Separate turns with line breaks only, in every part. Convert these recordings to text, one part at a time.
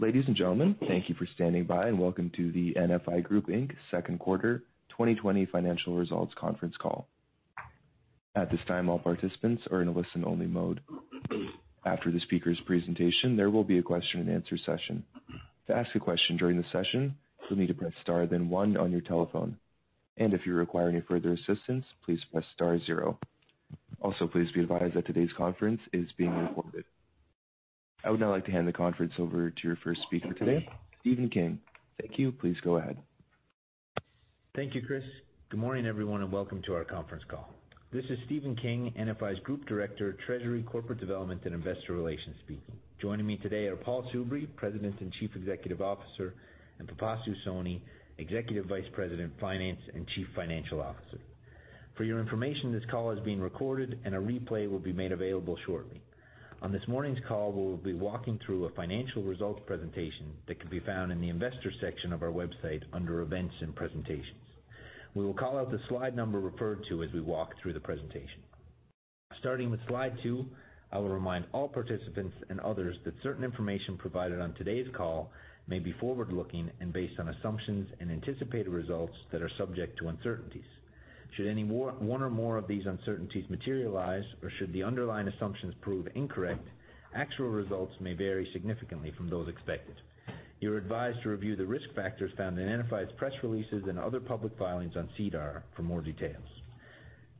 Ladies and gentlemen, thank you for standing by, and welcome to the NFI Group Inc. second quarter 2020 financial results conference call. At this time, all participants are in a listen-only mode. After the speaker's presentation, there will be a question-and-answer session. To ask a question during the session, you'll need to press star then one on your telephone. If you require any further assistance, please press star zero. Also, please be advised that today's conference is being recorded. I would now like to hand the conference over to your first speaker today, Stephen King. Thank you. Please go ahead.
Thank you, Chris. Good morning, everyone. Welcome to our conference call. This is Stephen King, NFI Group Director, Treasury, Corporate Development, and Investor Relations speaking. Joining me today are Paul Soubry, President and Chief Executive Officer, and Pipasu Soni, Executive Vice President, Finance, and Chief Financial Officer. For your information, this call is being recorded, and a replay will be made available shortly. On this morning's call, we will be walking through a financial results presentation that can be found in the Investors section of our website under Events and Presentations. We will call out the slide number referred to as we walk through the presentation. Starting with Slide two, I will remind all participants and others that certain information provided on today's call may be forward-looking and based on assumptions and anticipated results that are subject to uncertainties. Should any one or more of these uncertainties materialize, or should the underlying assumptions prove incorrect, actual results may vary significantly from those expected. You're advised to review the risk factors found in NFI's press releases and other public filings on SEDAR for more details.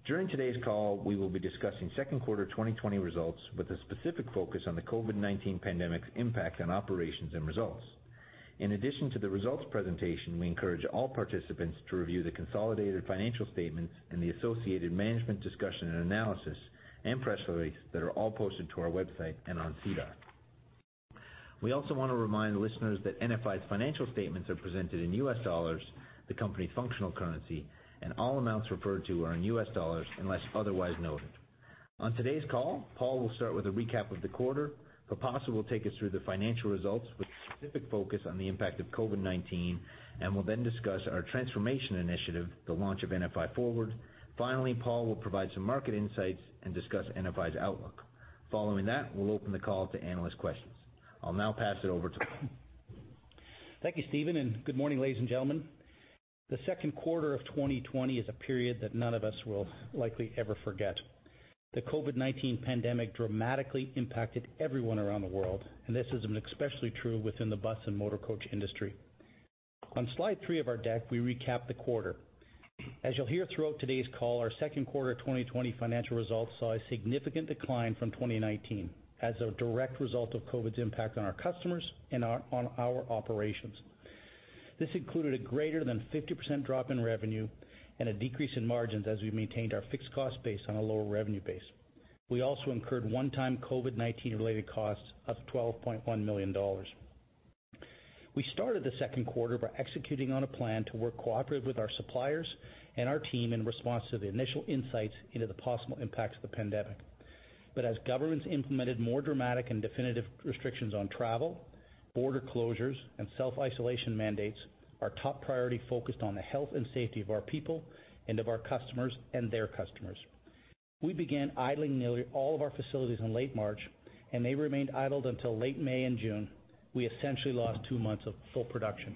During today's call, we will be discussing second quarter 2020 results with a specific focus on the COVID-19 pandemic's impact on operations and results. In addition to the results presentation, we encourage all participants to review the consolidated financial statements and the associated Management Discussion and Analysis and press release that are all posted to our website and on SEDAR. We also want to remind listeners that NFI's financial statements are presented in US dollars, the company's functional currency, and all amounts referred to are in US dollars unless otherwise noted. On today's call, Paul will start with a recap of the quarter. Pipasu will take us through the financial results with a specific focus on the impact of COVID-19, and will then discuss our transformation initiative, the launch of NFI Forward. Finally, Paul will provide some market insights and discuss NFI's outlook. Following that, we'll open the call to analyst questions. I'll now pass it over to Paul.
Thank you, Stephen, and good morning, ladies and gentlemen. The second quarter of 2020 is a period that none of us will likely ever forget. The COVID-19 pandemic dramatically impacted everyone around the world, and this is especially true within the bus and motor coach industry. On slide three of our deck, we recap the quarter. As you'll hear throughout today's call, our second quarter 2020 financial results saw a significant decline from 2019 as a direct result of COVID's impact on our customers and on our operations. This included a greater than 50% drop in revenue and a decrease in margins as we maintained our fixed cost base on a lower revenue base. We also incurred one-time COVID-19 related costs of $12.1 million. We started the second quarter by executing on a plan to work cooperatively with our suppliers and our team in response to the initial insights into the possible impacts of the pandemic. As governments implemented more dramatic and definitive restrictions on travel, border closures, and self-isolation mandates, our top priority focused on the health and safety of our people and of our customers and their customers. We began idling nearly all of our facilities in late March, and they remained idled until late May and June. We essentially lost two months of full production.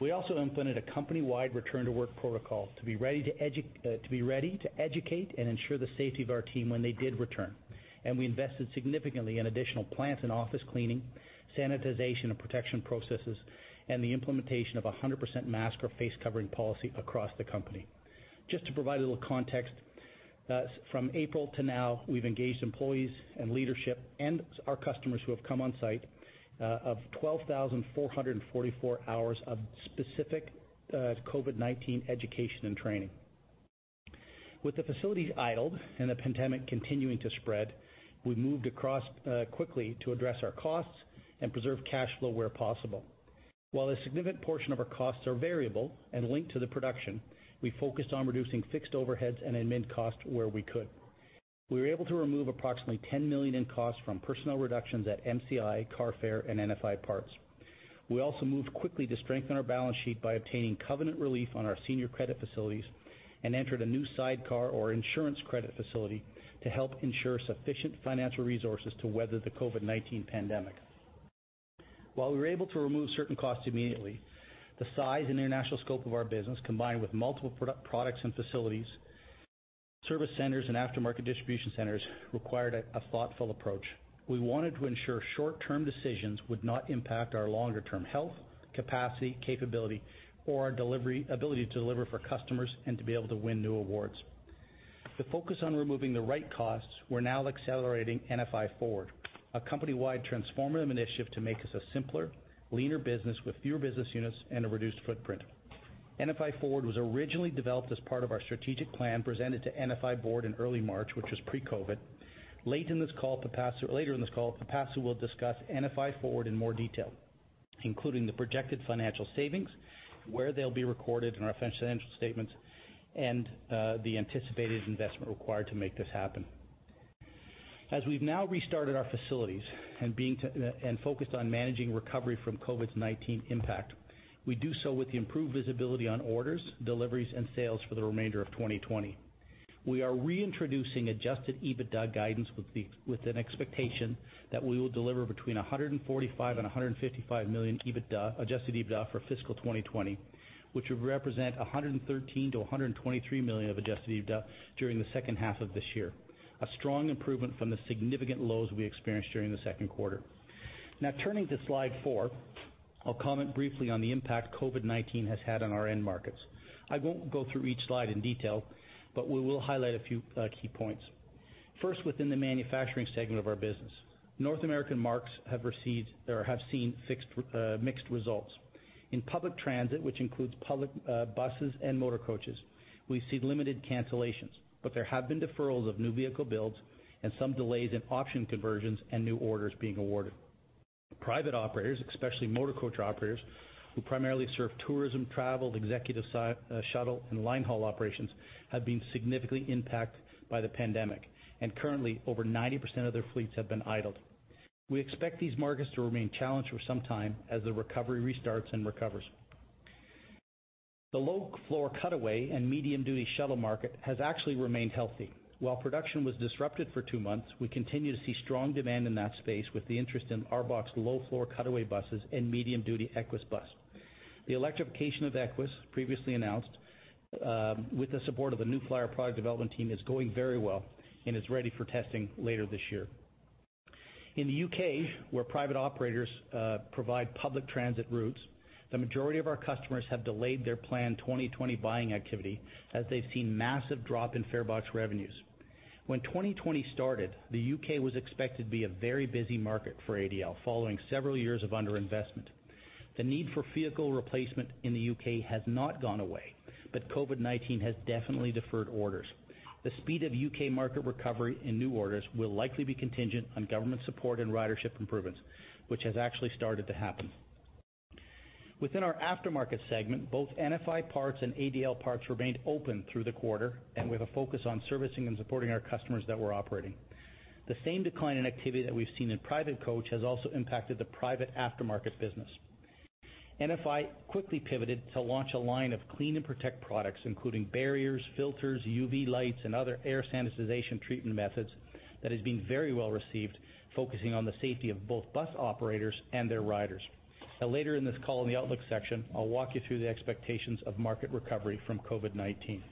We also implemented a company-wide return-to-work protocol to be ready to educate and ensure the safety of our team when they did return, and we invested significantly in additional plant and office cleaning, sanitization and protection processes, and the implementation of a 100% mask or face covering policy across the company. Just to provide a little context, from April to now, we've engaged employees and leadership and our customers who have come on site of 12,444 hours of specific COVID-19 education and training. With the facilities idled and the pandemic continuing to spread, we moved across quickly to address our costs and preserve cash flow where possible. While a significant portion of our costs are variable and linked to the production, we focused on reducing fixed overheads and admin costs where we could. We were able to remove approximately $10 million in costs from personnel reductions at MCI, Carfair, and NFI Parts. We also moved quickly to strengthen our balance sheet by obtaining covenant relief on our senior credit facilities and entered a new sidecar or insurance credit facility to help ensure sufficient financial resources to weather the COVID-19 pandemic. While we were able to remove certain costs immediately, the size and international scope of our business, combined with multiple products and facilities, service centers, and aftermarket distribution centers, required a thoughtful approach. We wanted to ensure short-term decisions would not impact our longer-term health, capacity, capability, or our ability to deliver for customers and to be able to win new awards. The focus on removing the right costs, we're now accelerating NFI Forward, a company-wide transformative initiative to make us a simpler, leaner business with fewer business units and a reduced footprint. NFI Forward was originally developed as part of our strategic plan presented to NFI board in early March, which was pre-COVID. Later in this call, Pipasu will discuss NFI Forward in more detail, including the projected financial savings, where they'll be recorded in our financial statements, and the anticipated investment required to make this happen. As we've now restarted our facilities and focused on managing recovery from COVID-19 impact, we do so with the improved visibility on orders, deliveries, and sales for the remainder of 2020. We are reintroducing adjusted EBITDA guidance with an expectation that we will deliver between $145 million and $155 million adjusted EBITDA for fiscal 2020, which would represent $113 million-$123 million of adjusted EBITDA during the second half of this year, a strong improvement from the significant lows we experienced during the second quarter. Now turning to slide four, I'll comment briefly on the impact COVID-19 has had on our end markets. I won't go through each slide in detail, but we will highlight a few key points. First, within the manufacturing segment of our business, North American markets have seen mixed results. In public transit, which includes public buses and motor coaches, we've seen limited cancellations, there have been deferrals of new vehicle builds and some delays in option conversions and new orders being awarded. Private operators, especially motor coach operators, who primarily serve tourism, travel, executive shuttle, and line haul operations, have been significantly impacted by the pandemic, currently over 90% of their fleets have been idled. We expect these markets to remain challenged for some time as the recovery restarts and recovers. The low-floor cutaway and medium-duty shuttle market has actually remained healthy. While production was disrupted for two months, we continue to see strong demand in that space with the interest in our bus low-floor cutaway buses and medium-duty Spirit of Equess. The electrification of Equess, previously announced, with the support of the New Flyer product development team, is going very well and is ready for testing later this year. In the U.K., where private operators provide public transit routes, the majority of our customers have delayed their planned 2020 buying activity as they've seen massive drop in fare box revenues. When 2020 started, the U.K. was expected to be a very busy market for ADL following several years of underinvestment. The need for vehicle replacement in the U.K. has not gone away, but COVID-19 has definitely deferred orders. The speed of U.K. market recovery and new orders will likely be contingent on government support and ridership improvements, which has actually started to happen. Within our aftermarket segment, both NFI Parts and ADL Parts remained open through the quarter, and with a focus on servicing and supporting our customers that were operating. The same decline in activity that we've seen in private coach has also impacted the private aftermarket business. NFI quickly pivoted to launch a line of clean and protect products, including barriers, filters, UV lights, and other air sanitization treatment methods, that has been very well received, focusing on the safety of both bus operators and their riders. Later in this call in the outlook section, I'll walk you through the expectations of market recovery from COVID-19.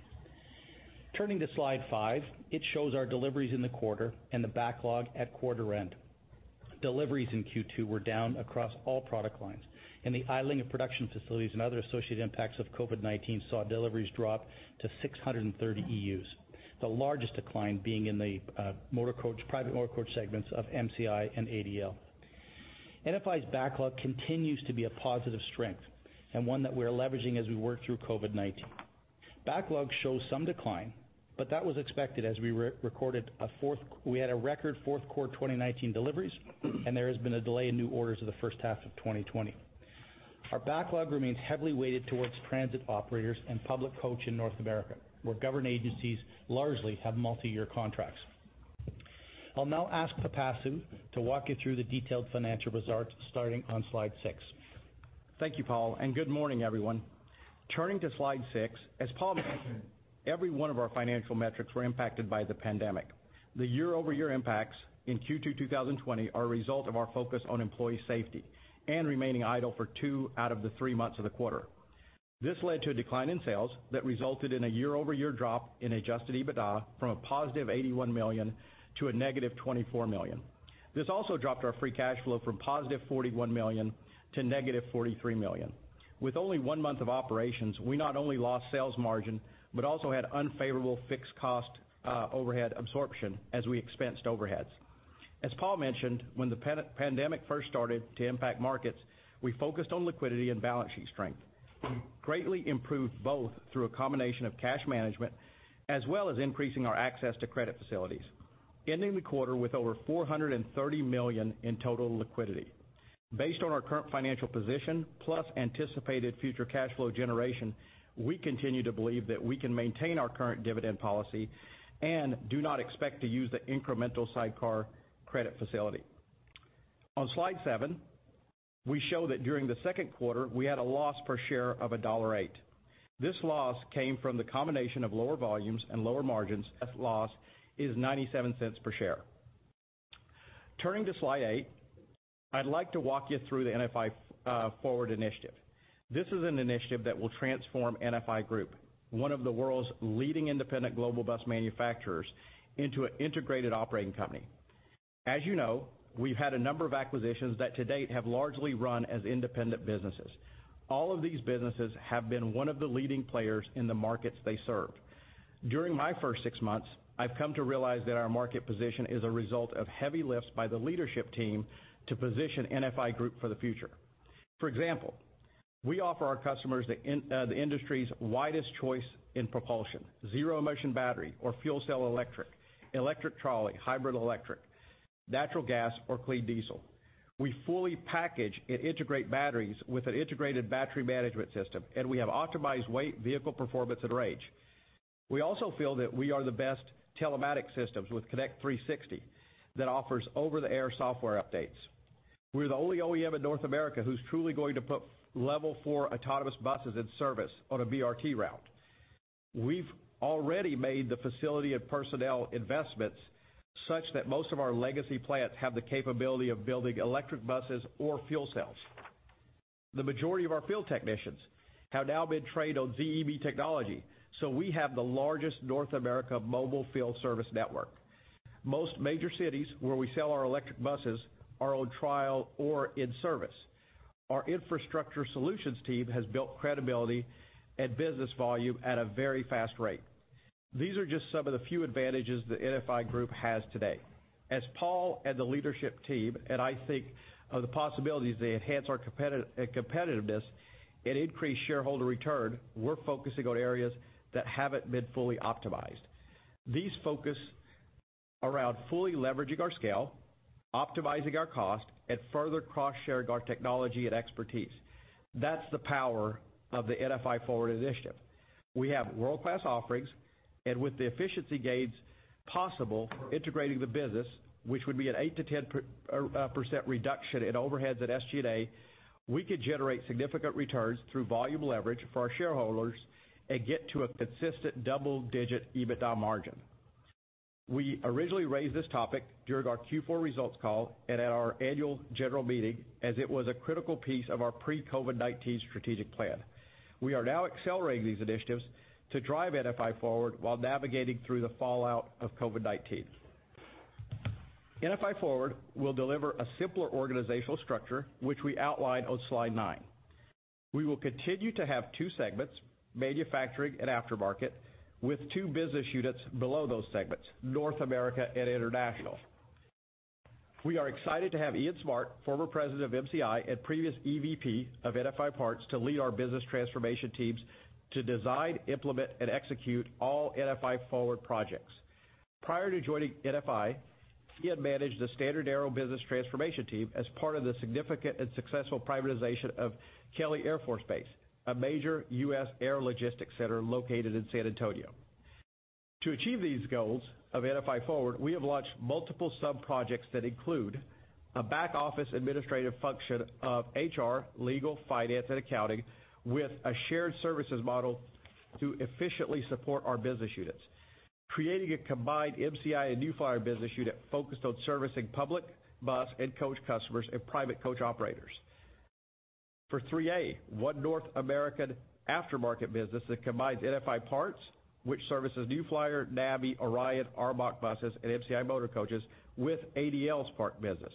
Turning to slide five, it shows our deliveries in the quarter and the backlog at quarter end. Deliveries in Q2 were down across all product lines, and the idling of production facilities and other associated impacts of COVID-19 saw deliveries drop to 630 EUs, the largest decline being in the private motor coach segments of MCI and ADL. NFI's backlog continues to be a positive strength and one that we're leveraging as we work through COVID-19. Backlog shows some decline, but that was expected as we had a record fourth quarter 2019 deliveries, and there has been a delay in new orders for the first half of 2020. Our backlog remains heavily weighted towards transit operators and public coach in North America, where government agencies largely have multi-year contracts. I'll now ask Pipasu to walk you through the detailed financial results starting on slide six.
Thank you, Paul. Good morning, everyone. Turning to slide six, as Paul mentioned, every one of our financial metrics were impacted by the pandemic. The year-over-year impacts in Q2 2020 are a result of our focus on employee safety and remaining idle for two out of the three months of the quarter. This led to a decline in sales that resulted in a year-over-year drop in adjusted EBITDA from a +$81 million to -$24 million. This also dropped our free cash flow from +$41 million to -$43 million. With only one month of operations, we not only lost sales margin but also had unfavorable fixed cost overhead absorption as we expensed overheads. As Paul mentioned, when the pandemic first started to impact markets, we focused on liquidity and balance sheet strength. Greatly improved both through a combination of cash management as well as increasing our access to credit facilities, ending the quarter with over $430 million in total liquidity. Based on our current financial position, plus anticipated future cash flow generation, we continue to believe that we can maintain our current dividend policy and do not expect to use the incremental sidecar credit facility. On slide seven, we show that during the second quarter, we had a loss per share of $1.08. This loss came from the combination of lower volumes and lower margins. This loss is $0.97 per share. Turning to slide eight, I'd like to walk you through the NFI Forward initiative. This is an initiative that will transform NFI Group, one of the world's leading independent global bus manufacturers, into an integrated operating company. As you know, we've had a number of acquisitions that to date have largely run as independent businesses. All of these businesses have been one of the leading players in the markets they serve. During my first six months, I've come to realize that our market position is a result of heavy lifts by the leadership team to position NFI Group for the future. For example, we offer our customers the industry's widest choice in propulsion, zero-emission battery or fuel cell electric trolley, hybrid electric, natural gas, or clean diesel. We fully package and integrate batteries with an integrated battery management system, and we have optimized weight, vehicle performance, and range. We also feel that we are the best telematic systems with Connect 360 that offers over-the-air software updates. We're the only OEM in North America who's truly going to put level four autonomous buses in service on a BRT route. We've already made the facility and personnel investments such that most of our legacy plants have the capability of building electric buses or fuel cells. The majority of our field technicians have now been trained on ZEB technology, so we have the largest North America mobile field service network. Most major cities where we sell our electric buses are on trial or in service. Our infrastructure solutions team has built credibility and business volume at a very fast rate. These are just some of the few advantages the NFI Group has today. As Paul and the leadership team and I think of the possibilities to enhance our competitiveness and increase shareholder return, we're focusing on areas that haven't been fully optimized. These focus around fully leveraging our scale, optimizing our cost, and further cross-sharing our technology and expertise. That's the power of the NFI Forward initiative. We have world-class offerings, and with the efficiency gains possible integrating the business, which would be an 8%-10% reduction in overheads at SG&A, we could generate significant returns through volume leverage for our shareholders and get to a consistent double-digit EBITDA margin. We originally raised this topic during our Q4 results call and at our annual general meeting, as it was a critical piece of our pre-COVID-19 strategic plan. We are now accelerating these initiatives to drive NFI Forward while navigating through the fallout of COVID-19. NFI Forward will deliver a simpler organizational structure, which we outline on slide nine. We will continue to have two segments, manufacturing and aftermarket, with two business units below those segments, North America and international. We are excited to have Ian Smart, former president of MCI and previous EVP of NFI Parts, to lead our business transformation teams to design, implement, and execute all NFI Forward projects. Prior to joining NFI, he had managed the StandardAero business transformation team as part of the significant and successful privatization of Kelly Air Force Base, a major U.S. air logistics center located in San Antonio. To achieve these goals of NFI Forward, we have launched multiple sub-projects that include a back-office administrative function of HR, legal, finance, and accounting with a shared services model to efficiently support our business units. Creating a combined MCI and New Flyer business unit focused on servicing public bus and coach customers and private coach operators. For 3A, one North American aftermarket business that combines NFI Parts, which services New Flyer, Navya, Orion, ARBOC buses and MCI motor coaches with ADL's part business.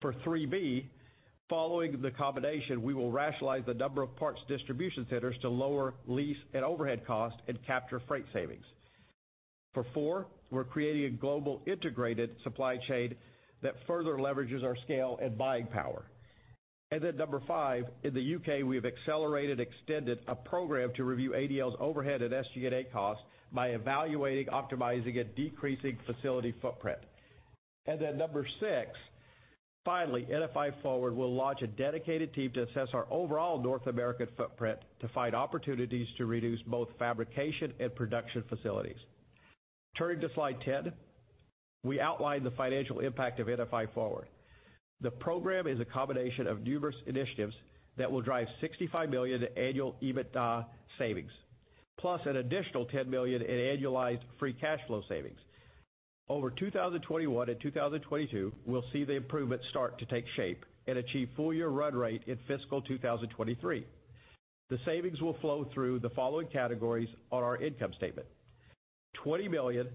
For 3B, following the combination, we will rationalize the number of parts distribution centers to lower lease and overhead costs and capture freight savings. For four, we're creating a global integrated supply chain that further leverages our scale and buying power. Number five, in the U.K., we have accelerated extended a program to review ADL's overhead and SG&A costs by evaluating, optimizing, and decreasing facility footprint. Number six, finally, NFI Forward will launch a dedicated team to assess our overall North American footprint to find opportunities to reduce both fabrication and production facilities. Turning to slide 10, we outline the financial impact of NFI Forward. The program is a combination of numerous initiatives that will drive $65 million annual adjusted EBITDA savings, plus an additional $10 million in annualized free cash flow savings. Over 2021 and 2022, we'll see the improvements start to take shape and achieve full-year run rate in fiscal 2023. The savings will flow through the following categories on our income statement. $20 million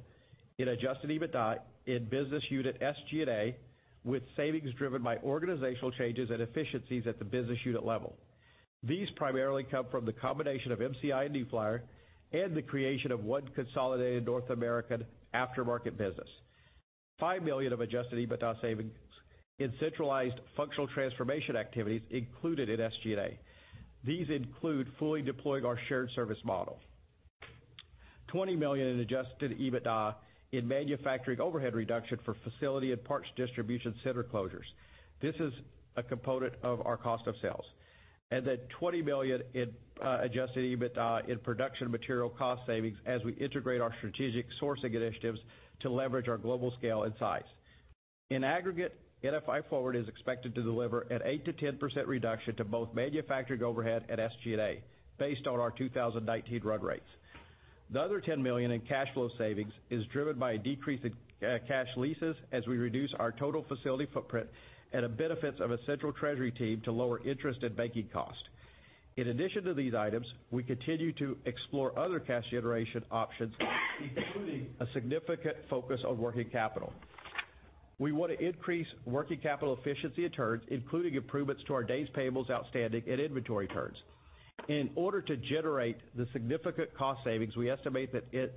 in adjusted EBITDA in business unit SG&A with savings driven by organizational changes and efficiencies at the business unit level. These primarily come from the combination of MCI and New Flyer and the creation of one consolidated North American aftermarket business. $5 million of adjusted EBITDA savings in centralized functional transformation activities included in SG&A. These include fully deploying our shared service model. $20 million in adjusted EBITDA in manufacturing overhead reduction for facility and parts distribution center closures. This is a component of our cost of sales. Then $20 million in adjusted EBITDA in production material cost savings as we integrate our strategic sourcing initiatives to leverage our global scale and size. In aggregate, NFI Forward is expected to deliver an 8%-10% reduction to both manufacturing overhead and SG&A based on our 2019 run rates. The other $10 million in cash flow savings is driven by a decrease in cash leases as we reduce our total facility footprint and the benefits of a central treasury team to lower interest and banking cost. In addition to these items, we continue to explore other cash generation options, including a significant focus on working capital. We want to increase working capital efficiency and turns, including improvements to our days payables outstanding and inventory turns. In order to generate the significant cost savings, we estimate that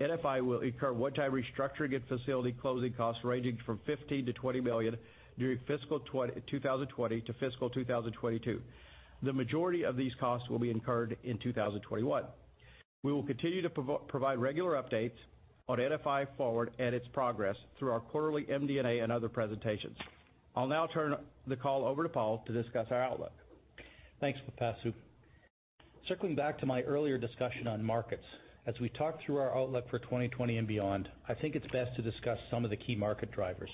NFI will incur one-time restructuring and facility closing costs ranging from $15 million-$20 million during fiscal 2020 to fiscal 2022. The majority of these costs will be incurred in 2021. We will continue to provide regular updates on NFI Forward and its progress through our quarterly MD&A and other presentations. I'll now turn the call over to Paul to discuss our outlook.
Thanks, Pipasu. Circling back to my earlier discussion on markets, as we talk through our outlook for 2020 and beyond, I think it's best to discuss some of the key market drivers.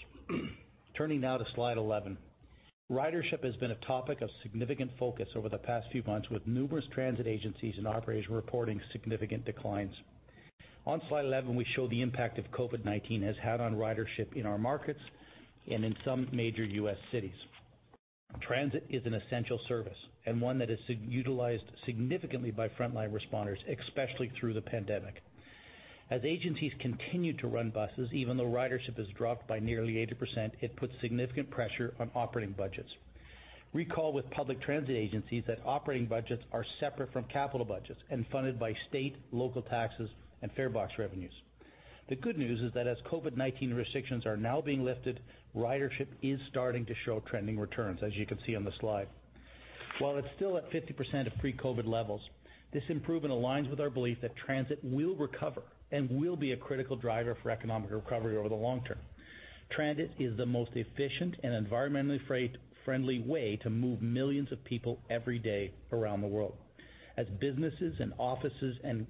Turning now to slide 11. Ridership has been a topic of significant focus over the past few months, with numerous transit agencies and operators reporting significant declines. On slide 11, we show the impact that COVID-19 has had on ridership in our markets and in some major U.S. cities. Transit is an essential service and one that is utilized significantly by frontline responders, especially through the pandemic. As agencies continue to run buses, even though ridership has dropped by nearly 80%, it puts significant pressure on operating budgets. Recall with public transit agencies that operating budgets are separate from capital budgets and funded by state, local taxes, and fare box revenues. The good news is that as COVID-19 restrictions are now being lifted, ridership is starting to show trending returns, as you can see on the slide. While it's still at 50% of pre-COVID levels, this improvement aligns with our belief that transit will recover and will be a critical driver for economic recovery over the long term. Transit is the most efficient and environmentally friendly way to move millions of people every day around the world. As businesses and offices and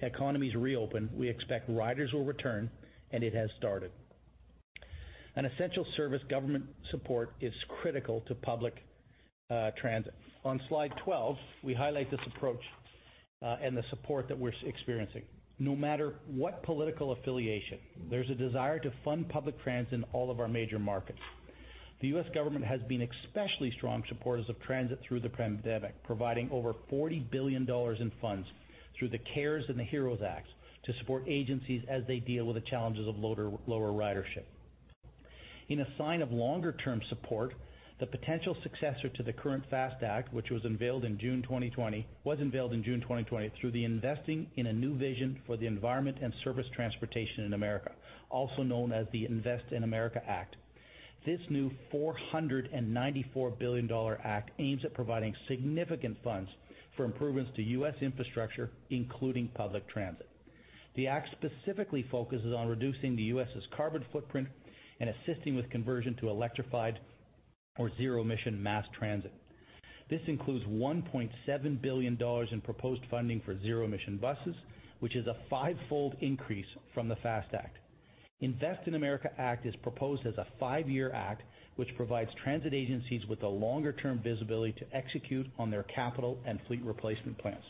economies reopen, we expect riders will return, and it has started. An essential service government support is critical to public transit. On slide 12, we highlight this approach and the support that we're experiencing. No matter what political affiliation, there's a desire to fund public transit in all of our major markets. The U.S. government has been especially strong supporters of transit through the pandemic, providing over $40 billion in funds through the CARES Act and the HEROES Act to support agencies as they deal with the challenges of lower ridership. In a sign of longer-term support, the potential successor to the current FAST Act, which was unveiled in June 2020 through the Investing in a New Vision for the Environment and Surface Transportation in America Act, also known as the INVEST in America Act. This new $494 billion act aims at providing significant funds for improvements to U.S. infrastructure, including public transit. The act specifically focuses on reducing the U.S.'s carbon footprint and assisting with conversion to electrified or zero-emission mass transit. This includes $1.7 billion in proposed funding for zero-emission buses, which is a five-fold increase from the FAST Act. INVEST in America Act is proposed as a five-year act, which provides transit agencies with a longer-term visibility to execute on their capital and fleet replacement plans.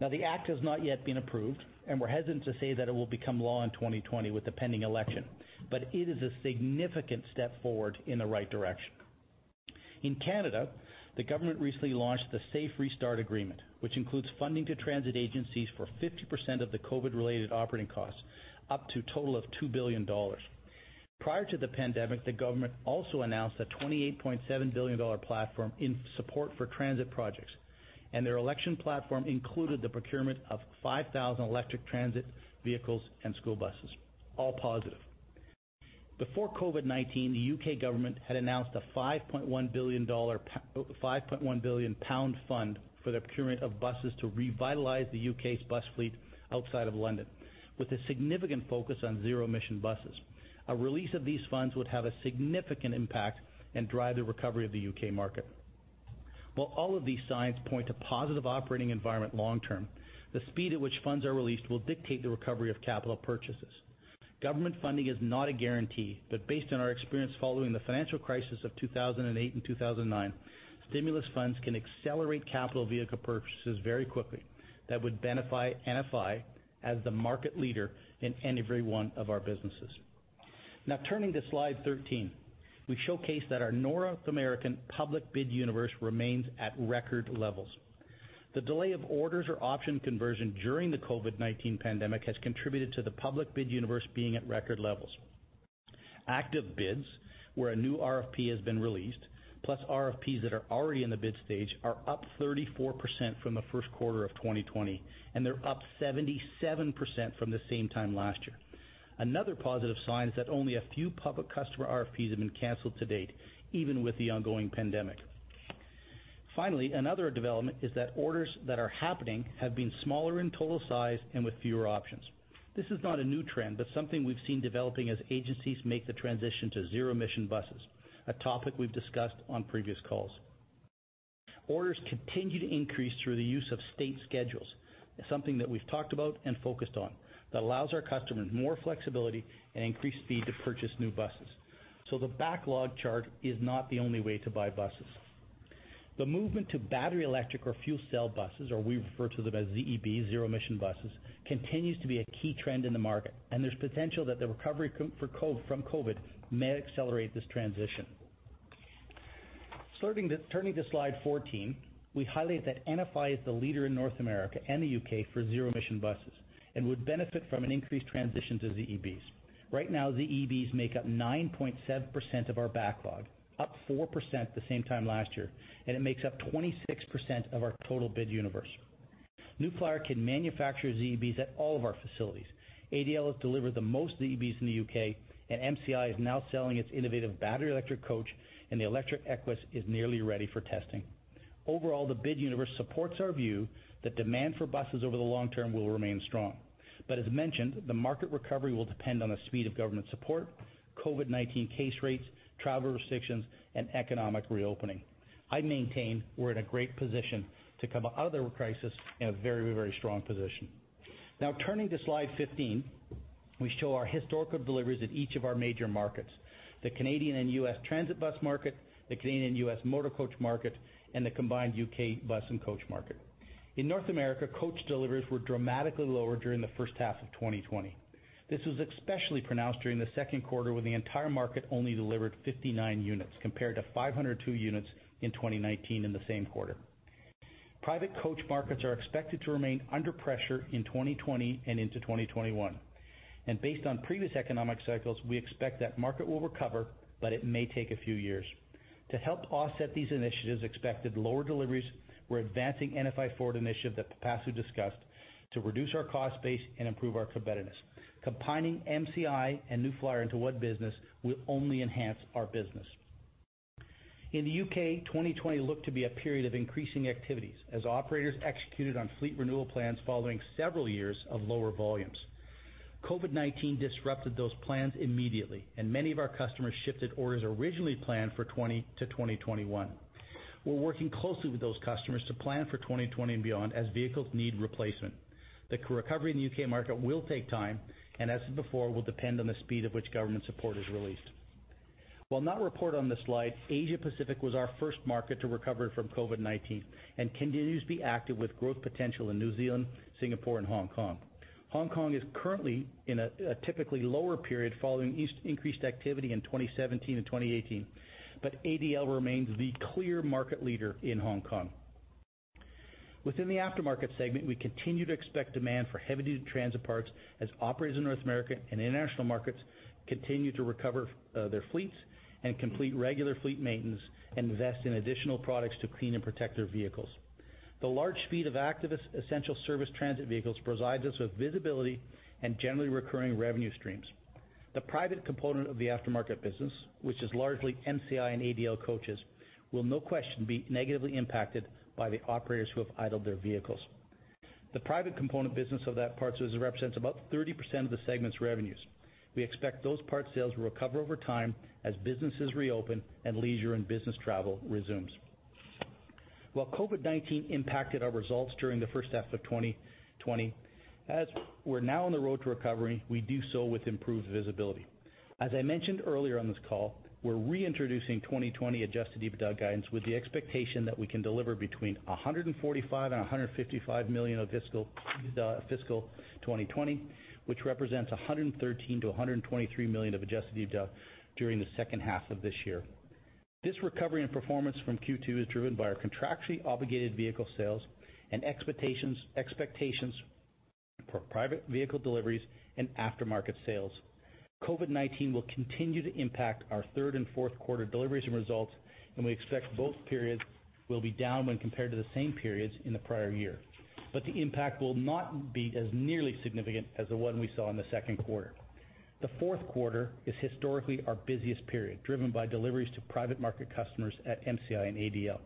The act has not yet been approved, and we're hesitant to say that it will become law in 2020 with the pending election, but it is a significant step forward in the right direction. In Canada, the government recently launched the Safe Restart Agreement, which includes funding to transit agencies for 50% of the COVID-related operating costs, up to a total of $2 billion. Prior to the pandemic, the government also announced a $28.7 billion platform in support for transit projects. Their election platform included the procurement of 5,000 electric transit vehicles and school buses. All positive. Before COVID-19, the U.K. government had announced a GBP 5.1 billion fund for the procurement of buses to revitalize the U.K.'s bus fleet outside of London, with a significant focus on zero-emission buses. A release of these funds would have a significant impact and drive the recovery of the U.K. market. While all of these signs point to positive operating environment long term, the speed at which funds are released will dictate the recovery of capital purchases. Government funding is not a guarantee, based on our experience following the financial crisis of 2008 and 2009, stimulus funds can accelerate capital vehicle purchases very quickly that would benefit NFI as the market leader in every one of our businesses. Turning to slide 13, we showcase that our North American public bid universe remains at record levels. The delay of orders or option conversion during the COVID-19 pandemic has contributed to the public bid universe being at record levels. Active bids, where a new RFP has been released, plus RFPs that are already in the bid stage are up 34% from the first quarter of 2020, and they're up 77% from the same time last year. Another positive sign is that only a few public customer RFPs have been canceled to date, even with the ongoing pandemic. Finally, another development is that orders that are happening have been smaller in total size and with fewer options. This is not a new trend, but something we've seen developing as agencies make the transition to zero-emission buses, a topic we've discussed on previous calls. Orders continue to increase through the use of state schedules, something that we've talked about and focused on, that allows our customers more flexibility and increased speed to purchase new buses. The backlog chart is not the only way to buy buses. The movement to battery electric or fuel cell buses, or we refer to them as ZEB, zero-emission buses, continues to be a key trend in the market, and there's potential that the recovery from COVID may accelerate this transition. Turning to slide 14, we highlight that NFI is the leader in North America and the U.K. for zero-emission buses and would benefit from an increased transition to ZEBs. Right now, ZEBs make up 9.7% of our backlog, up 4% the same time last year, and it makes up 26% of our total bid universe. New Flyer can manufacture ZEBs at all of our facilities. ADL has delivered the most ZEBs in the U.K., and MCI is now selling its innovative battery electric coach, and the electric Equess is nearly ready for testing. Overall, the bid universe supports our view that demand for buses over the long term will remain strong. As mentioned, the market recovery will depend on the speed of government support, COVID-19 case rates, travel restrictions, and economic reopening. I maintain we're in a great position to come out of the crisis in a very, very strong position. Turning to slide 15, we show our historical deliveries in each of our major markets, the Canadian and U.S. transit bus market, the Canadian and U.S. motor coach market, and the combined U.K. bus and coach market. In North America, coach deliveries were dramatically lower during the first half of 2020. This was especially pronounced during the second quarter, when the entire market only delivered 59 units, compared to 502 units in 2019 in the same quarter. Private coach markets are expected to remain under pressure in 2020 and into 2021. Based on previous economic cycles, we expect that market will recover, but it may take a few years. To help offset these initiatives' expected lower deliveries, we're advancing NFI Forward initiative that Pipasu discussed to reduce our cost base and improve our competitiveness. Combining MCI and New Flyer into one business will only enhance our business. In the U.K., 2020 looked to be a period of increasing activities as operators executed on fleet renewal plans following several years of lower volumes. COVID-19 disrupted those plans immediately, and many of our customers shifted orders originally planned for 2020 to 2021. We're working closely with those customers to plan for 2020 and beyond as vehicles need replacement. The recovery in the U.K. market will take time and, as before, will depend on the speed at which government support is released. While not reported on this slide, Asia Pacific was our first market to recover from COVID-19 and continues to be active with growth potential in New Zealand, Singapore, and Hong Kong. Hong Kong is currently in a typically lower period following increased activity in 2017 and 2018, but ADL remains the clear market leader in Hong Kong. Within the aftermarket segment, we continue to expect demand for heavy-duty transit parts as operators in North America and international markets continue to recover their fleets and complete regular fleet maintenance, invest in additional products to clean and protect their vehicles. The large fleet of active essential service transit vehicles provides us with visibility and generally recurring revenue streams. The private component of the aftermarket business, which is largely MCI and ADL coaches, will no question be negatively impacted by the operators who have idled their vehicles. The private component business of that parts represents about 30% of the segment's revenues. We expect those parts sales will recover over time as businesses reopen and leisure and business travel resumes. While COVID-19 impacted our results during the first half of 2020, as we're now on the road to recovery, we do so with improved visibility. As I mentioned earlier on this call, we're reintroducing 2020 adjusted EBITDA guidance with the expectation that we can deliver between $145 million and $155 million of fiscal 2020, which represents $113 million-$123 million of adjusted EBITDA during the second half of this year. This recovery and performance from Q2 is driven by our contractually obligated vehicle sales and expectations for private vehicle deliveries and aftermarket sales. COVID-19 will continue to impact our third and fourth quarter deliveries and results, and we expect both periods will be down when compared to the same periods in the prior year. The impact will not be as nearly significant as the one we saw in the second quarter. The fourth quarter is historically our busiest period, driven by deliveries to private market customers at MCI and ADL.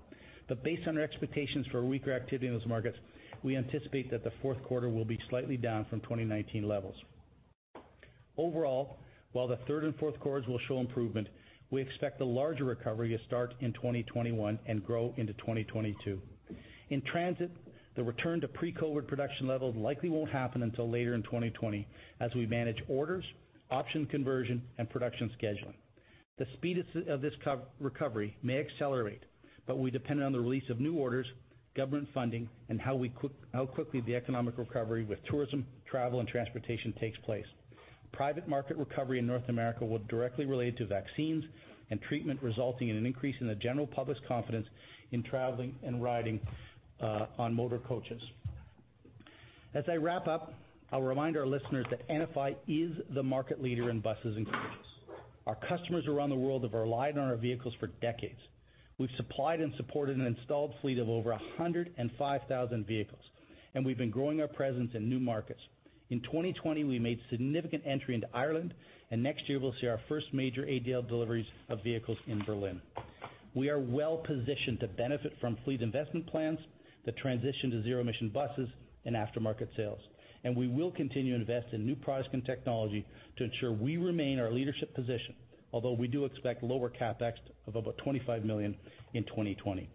Based on our expectations for weaker activity in those markets, we anticipate that the fourth quarter will be slightly down from 2019 levels. Overall, while the third and fourth quarters will show improvement, we expect the larger recovery to start in 2021 and grow into 2022. In transit, the return to pre-COVID production levels likely won't happen until later in 2020 as we manage orders, option conversion, and production scheduling. The speed of this recovery may accelerate, but will be dependent on the release of new orders, government funding, and how quickly the economic recovery with tourism, travel, and transportation takes place. Private market recovery in North America will directly relate to vaccines and treatment, resulting in an increase in the general public's confidence in traveling and riding on motor coaches. As I wrap up, I'll remind our listeners that NFI is the market leader in buses and coaches. Our customers around the world have relied on our vehicles for decades. We've supplied and supported an installed fleet of over 105,000 vehicles, and we've been growing our presence in new markets. In 2020, we made significant entry into Ireland. Next year we'll see our first major ADL deliveries of vehicles in Berlin. We are well-positioned to benefit from fleet investment plans, the transition to zero-emission buses, and aftermarket sales. We will continue to invest in new products and technology to ensure we remain our leadership position. Although we do expect lower CapEx of about $25 million in 2020.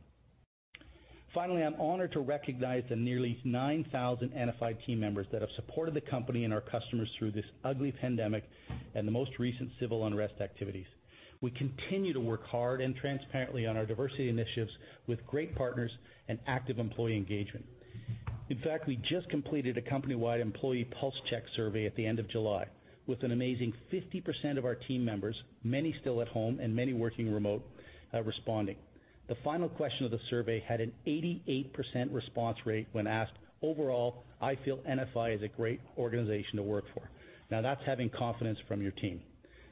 Finally, I'm honored to recognize the nearly 9,000 NFI team members that have supported the company and our customers through this ugly pandemic and the most recent civil unrest activities. We continue to work hard and transparently on our diversity initiatives with great partners and active employee engagement. In fact, we just completed a company-wide employee pulse check survey at the end of July, with an amazing 50% of our team members, many still at home and many working remote, responding. The final question of the survey had an 88% response rate when asked, "Overall, I feel NFI is a great organization to work for." Now, that's having confidence from your team.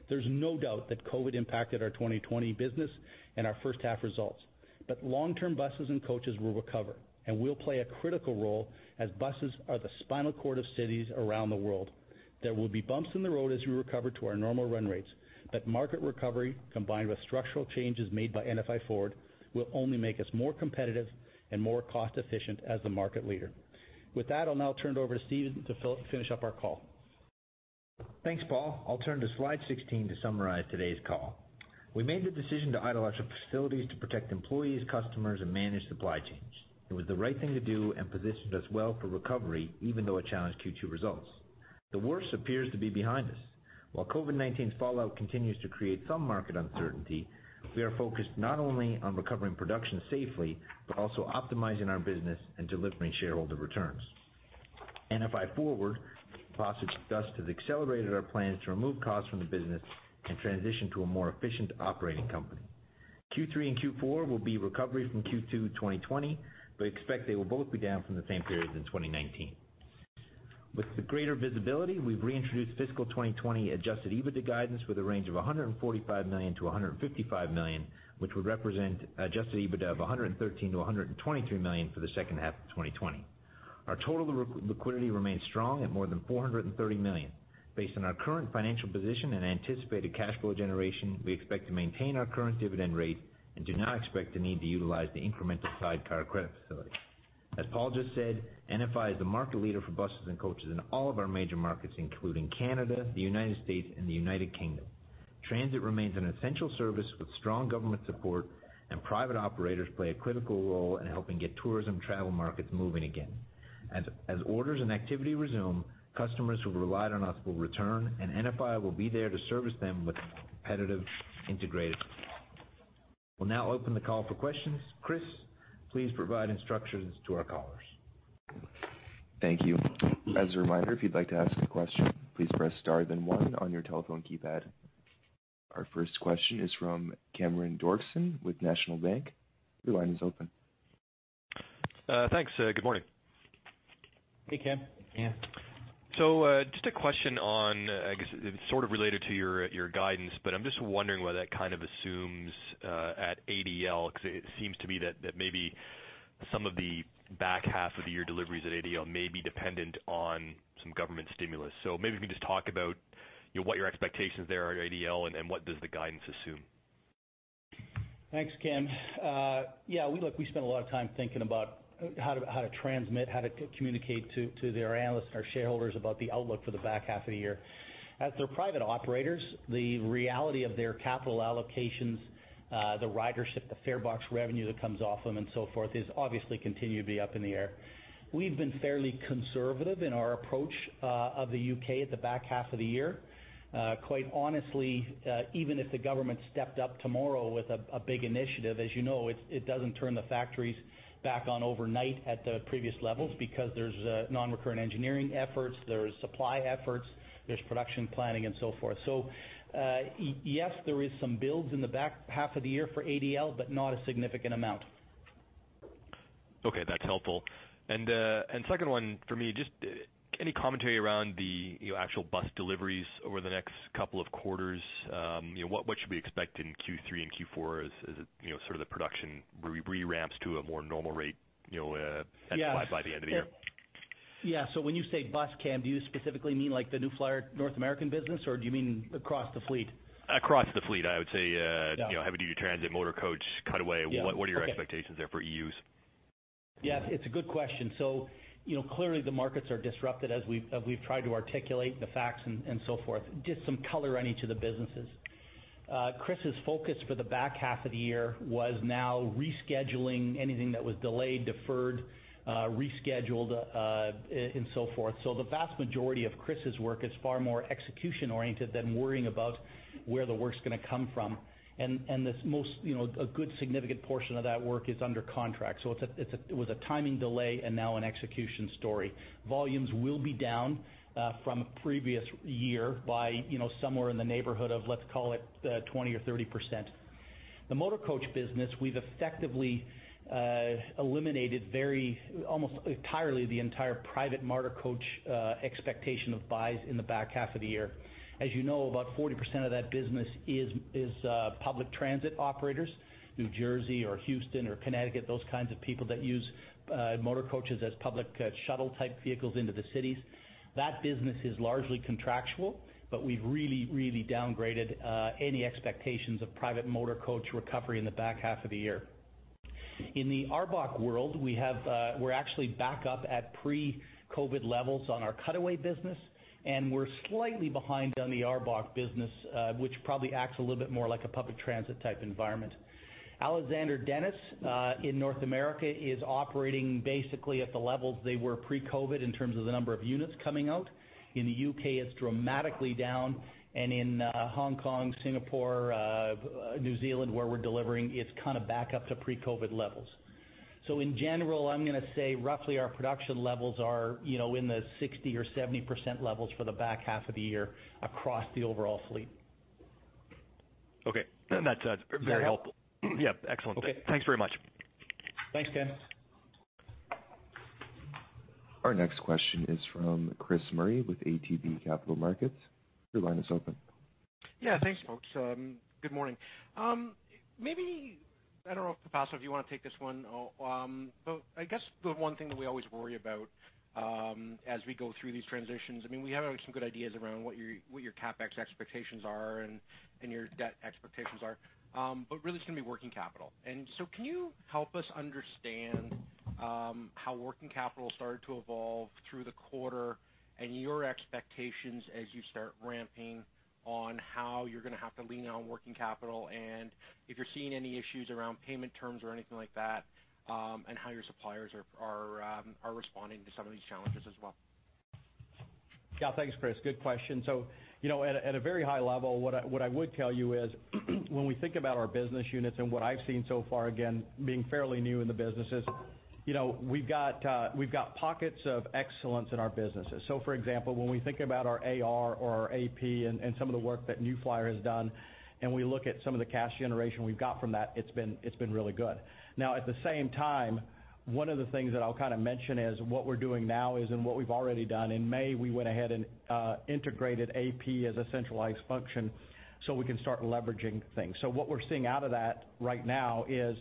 There's no doubt that COVID impacted our 2020 business and our first half results, but long-term buses and coaches will recover, and we'll play a critical role as buses are the spinal cord of cities around the world. There will be bumps in the road as we recover to our normal run rates, but market recovery combined with structural changes made by NFI Forward, will only make us more competitive and more cost-efficient as the market leader. With that, I'll now turn it over to Steve to finish up our call.
Thanks, Paul. I'll turn to slide 16 to summarize today's call. We made the decision to idle our facilities to protect employees, customers, and manage supply chains. It was the right thing to do and positioned us well for recovery, even though it challenged Q2 results. The worst appears to be behind us. While COVID-19's fallout continues to create some market uncertainty, we are focused not only on recovering production safely, but also optimizing our business and delivering shareholder returns. NFI Forward, the crisis for us has accelerated our plans to remove costs from the business and transition to a more efficient operating company. Q3 and Q4 will be recovery from Q2 2020. We expect they will both be down from the same periods in 2019. With the greater visibility, we've reintroduced fiscal 2020 adjusted EBITDA guidance with a range of $145 million-$155 million, which would represent adjusted EBITDA of $113 million-$123 million for the second half of 2020. Our total liquidity remains strong at more than $430 million. Based on our current financial position and anticipated cash flow generation, we expect to maintain our current dividend rate and do not expect the need to utilize the incremental sidecar credit facility. As Paul just said, NFI is the market leader for buses and coaches in all of our major markets, including Canada, the U.S., and the U.K. Transit remains an essential service with strong government support, private operators play a critical role in helping get tourism travel markets moving again. As orders and activity resume, customers who have relied on us will return, NFI will be there to service them with competitive integrated. We'll now open the call for questions. Chris, please provide instructions to our callers.
Thank you. As a reminder, if you'd like to ask a question, please press star then one on your telephone keypad. Our first question is from Cameron Doerksen with National Bank. Your line is open.
Thanks. Good morning.
Hey, Cam.
Just a question on, I guess it's sort of related to your guidance, but I am just wondering whether that kind of assumes at ADL, because it seems to me that maybe some of the back half of the year deliveries at ADL may be dependent on some government stimulus. Maybe if you can just talk about what your expectations there are at ADL and what does the guidance assume?
Thanks, Cam. Yeah, look, we spent a lot of time thinking about how to transmit, how to communicate to the analysts and our shareholders about the outlook for the back half of the year. They're private operators, the reality of their capital allocations, the ridership, the fare box revenue that comes off them and so forth is obviously continue to be up in the air. We've been fairly conservative in our approach of the U.K. at the back half of the year. Quite honestly, even if the government stepped up tomorrow with a big initiative, as you know, it doesn't turn the factories back on overnight at the previous levels because there's non-recurrent engineering efforts, there's supply efforts, there's production planning and so forth. Yes, there is some builds in the back half of the year for ADL, but not a significant amount.
Okay, that's helpful. Second one for me, just any commentary around the actual bus deliveries over the next couple of quarters? What should we expect in Q3 and Q4 as sort of the production re-ramps to a more normal rate by the end of the year?
Yeah. When you say bus, Cam, do you specifically mean like the New Flyer North American business, or do you mean across the fleet?
Across the fleet, I would say heavy-duty transit motor coach cutaway. What are your expectations there for EUs?
Yeah, it's a good question. Clearly the markets are disrupted as we've tried to articulate the facts and so forth. Just some color on each of the businesses. Chris' focus for the back half of the year was now rescheduling anything that was delayed, deferred, rescheduled, and so forth. The vast majority of Chris' work is far more execution oriented than worrying about where the work's going to come from. A good significant portion of that work is under contract. It was a timing delay and now an execution story. Volumes will be down from previous year by somewhere in the neighborhood of, let's call it 20% or 30%. The motor coach business, we've effectively eliminated almost entirely the entire private motor coach expectation of buys in the back half of the year. As you know, about 40% of that business is public transit operators, New Jersey or Houston or Connecticut, those kinds of people that use motor coaches as public shuttle type vehicles into the cities. That business is largely contractual, but we've really, really downgraded any expectations of private motor coach recovery in the back half of the year. In the ARBOC world, we're actually back up at pre-COVID levels on our cutaway business, and we're slightly behind on the ARBOC business, which probably acts a little bit more like a public transit type environment. Alexander Dennis in North America is operating basically at the levels they were pre-COVID in terms of the number of units coming out. In the U.K., it's dramatically down, and in Hong Kong, Singapore, New Zealand, where we're delivering, it's kind of back up to pre-COVID levels. In general, I'm going to say roughly our production levels are in the 60% or 70% levels for the back half of the year across the overall fleet.
Okay. That's very helpful.
Yeah. Excellent.
Thanks very much.
Thanks, Cam.
Our next question is from Chris Murray with ATB Capital Markets. Your line is open.
Yeah, thanks, folks. Good morning. Maybe I don't know if, Pipasu, if you want to take this one. I guess the one thing that we always worry about as we go through these transitions, we have some good ideas around what your CapEx expectations are and your debt expectations are. Really, it's going to be working capital. Can you help us understand how working capital started to evolve through the quarter, and your expectations as you start ramping on how you're going to have to lean on working capital, and if you're seeing any issues around payment terms or anything like that, and how your suppliers are responding to some of these challenges as well?
Thanks, Chris. Good question. At a very high level, what I would tell you is when we think about our business units and what I've seen so far, again, being fairly new in the business is, we've got pockets of excellence in our businesses. For example, when we think about our AR or our AP and some of the work that New Flyer has done, and we look at some of the cash generation we've got from that, it's been really good. At the same time, one of the things that I'll mention is what we're doing now is and what we've already done, in May, we went ahead and integrated AP as a centralized function so we can start leveraging things. What we're seeing out of that right now is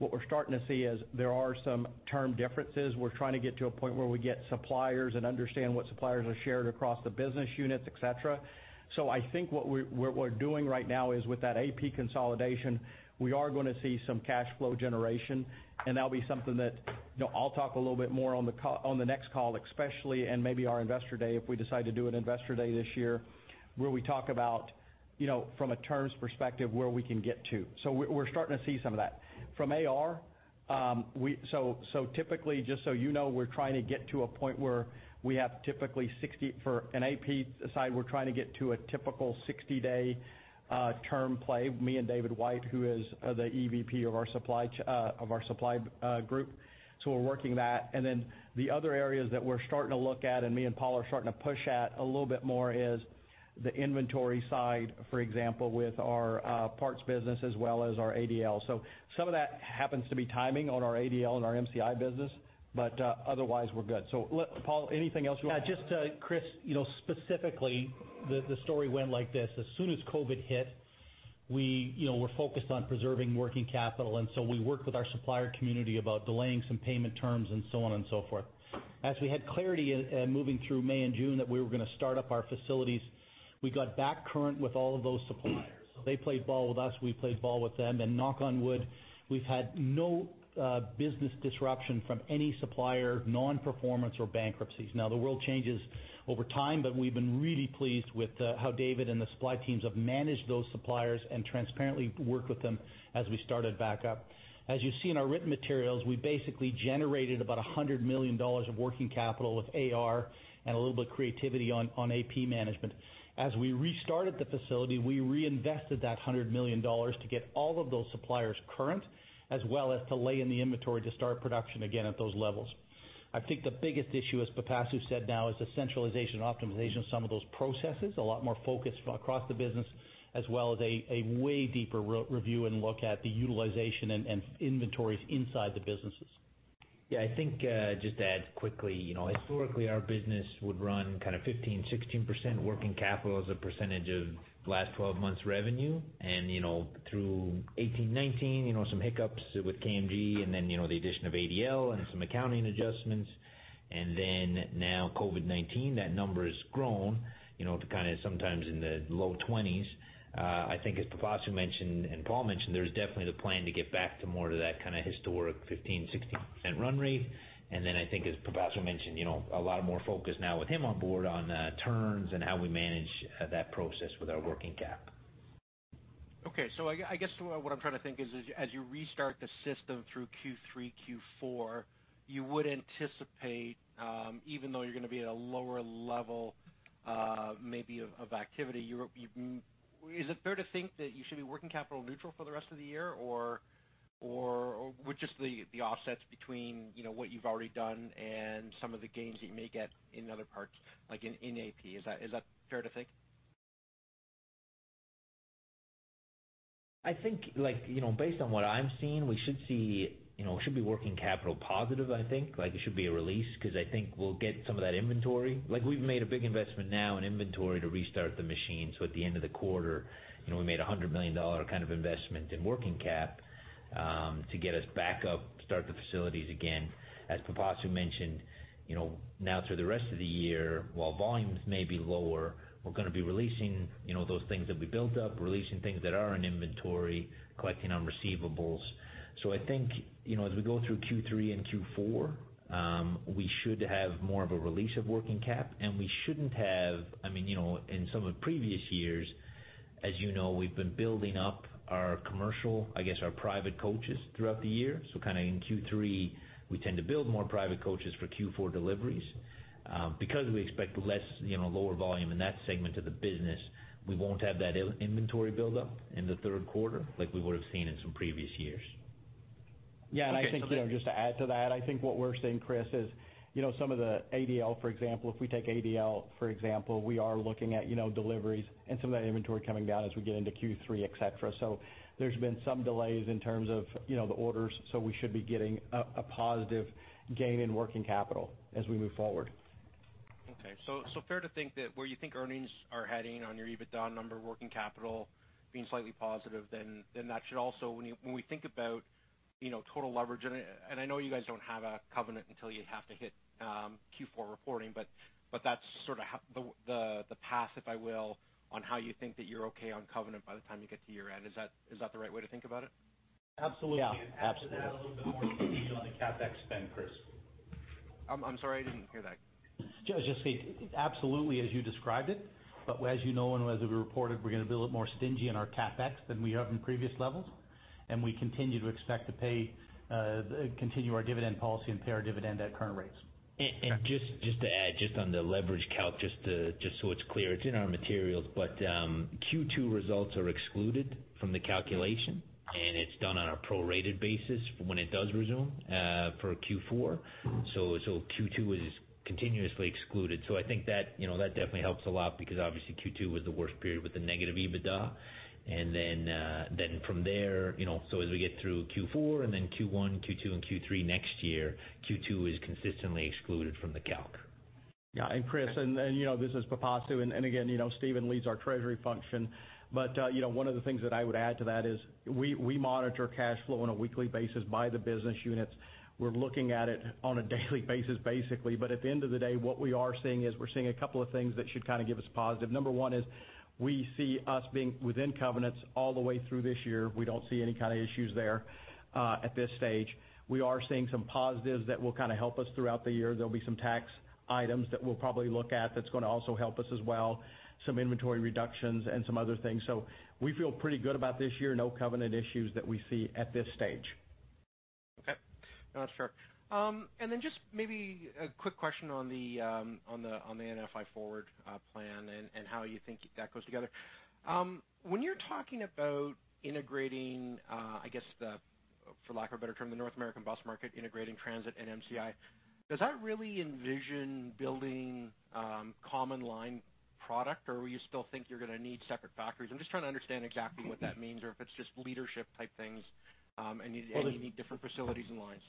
what we're starting to see is there are some term differences. We're trying to get to a point where we get suppliers and understand what suppliers are shared across the business units, et cetera. I think what we're doing right now is with that AP consolidation, we are going to see some cash flow generation, and that'll be something that I'll talk a little bit more on the next call, especially, and maybe our investor day, if we decide to do an investor day this year, where we talk about from a terms perspective, where we can get to. We're starting to see some of that. From AR, typically, just you know, we're trying to get to a point where we have typically 60. In AP side, we're trying to get to a typical 60-day term play, me and David White, who is the EVP of our supply group. The other areas that we're starting to look at, and me and Paul are starting to push at a little bit more, is the inventory side, for example, with our parts business as well as our ADL. Some of that happens to be timing on our ADL and our MCI business, but otherwise, we're good. Paul, anything else you want?
Yeah, just Chris, specifically, the story went like this. As soon as COVID-19 hit, we were focused on preserving working capital. We worked with our supplier community about delaying some payment terms and so on and so forth. As we had clarity moving through May and June that we were going to start up our facilities, we got back current with all of those suppliers. They played ball with us, we played ball with them. Knock on wood, we've had no business disruption from any supplier non-performance or bankruptcies. The world changes over time. We've been really pleased with how David and the supply teams have managed those suppliers and transparently worked with them as we started back up. As you see in our written materials, we basically generated about $100 million of working capital with AR and a little bit of creativity on AP management. As we restarted the facility, we reinvested that $100 million to get all of those suppliers current, as well as to lay in the inventory to start production again at those levels. I think the biggest issue, as Pipasu said now, is the centralization and optimization of some of those processes. A lot more focus across the business, as well as a way deeper review and look at the utilization and inventories inside the businesses.
Yeah, I think, just to add quickly, historically our business would run 15%, 16% working capital as a percentage of last 12 months revenue. Through 2018, 2019, some hiccups with KMG and then the addition of ADL and some accounting adjustments. Now COVID-19, that number has grown to sometimes in the low 20s. I think as Pipasu mentioned and Paul mentioned, there's definitely the plan to get back to more of that historic 15%, 16% run rate. I think as Pipasu mentioned, a lot more focus now with him on board on terms and how we manage that process with our working cap.
I guess what I'm trying to think is as you restart the system through Q3, Q4, you would anticipate, even though you're going to be at a lower level maybe of activity, is it fair to think that you should be working capital neutral for the rest of the year? Or with just the offsets between what you've already done and some of the gains that you may get in other parts, like in AP? Is that fair to think?
I think based on what I'm seeing, we should be working capital positive, I think. It should be a release because I think we'll get some of that inventory. We've made a big investment now in inventory to restart the machines with the end of the quarter. We made a $100 million investment in working cap to get us back up, start the facilities again. As Pipasu mentioned, now through the rest of the year, while volumes may be lower, we're going to be releasing those things that we built up, releasing things that are in inventory, collecting on receivables. I think as we go through Q3 and Q4, we should have more of a release of working cap. In some of the previous years, as you know, we've been building up our commercial, I guess, our private coaches throughout the year. In Q3, we tend to build more private coaches for Q4 deliveries. Because we expect lower volume in that segment of the business, we won't have that inventory buildup in the third quarter like we would've seen in some previous years.
I think just to add to that, I think what we're seeing, Chris, is some of the ADL, for example, if we take ADL, for example, we are looking at deliveries and some of that inventory coming down as we get into Q3, et cetera. There's been some delays in terms of the orders, so we should be getting a positive gain in working capital as we move forward.
Okay. Fair to think that where you think earnings are heading on your EBITDA number, working capital being slightly positive, then that should also, when we think about total leverage, and I know you guys don't have a covenant until you have to hit Q4 reporting, but that's sort of the path, if I will, on how you think that you're okay on covenant by the time you get to year-end. Is that the right way to think about it?
Absolutely. Yeah. Absolutely. To add a little bit more detail on the CapEx spend, Chris.
I'm sorry, I didn't hear that.
Just absolutely as you described it. As you know and as we reported, we're going to be a little more stingy in our CapEx than we have in previous levels. We continue to expect to continue our dividend policy and pay our dividend at current rates. Just to add, just on the leverage calc, just so it's clear, it's in our materials, Q2 results are excluded from the calculation, and it's done on a prorated basis for when it does resume for Q4. Q2 is continuously excluded. I think that definitely helps a lot because obviously Q2 was the worst period with the negative EBITDA. From there, so as we get through Q4 and then Q1, Q2, and Q3 next year, Q2 is consistently excluded from the calc. Yeah. Chris, this is Pipasu, and again, Stephen leads our treasury function.
One of the things that I would add to that is we monitor cash flow on a weekly basis by the business units. We're looking at it on a daily basis, basically. At the end of the day, what we are seeing is we're seeing a couple of things that should kind of give us positive. Number one is we see us being within covenants all the way through this year. We don't see any kind of issues there at this stage. We are seeing some positives that will help us throughout the year. There'll be some tax items that we'll probably look at that's going to also help us as well, some inventory reductions and some other things. We feel pretty good about this year. No covenant issues that we see at this stage.
Okay. No, that's fair. Then just maybe a quick question on the NFI Forward plan and how you think that goes together. When you're talking about integrating, I guess the, for lack of a better term, the North American bus market, integrating transit and MCI, does that really envision building common line product, or will you still think you're going to need separate factories? I'm just trying to understand exactly what that means or if it's just leadership type things and you need different facilities and lines.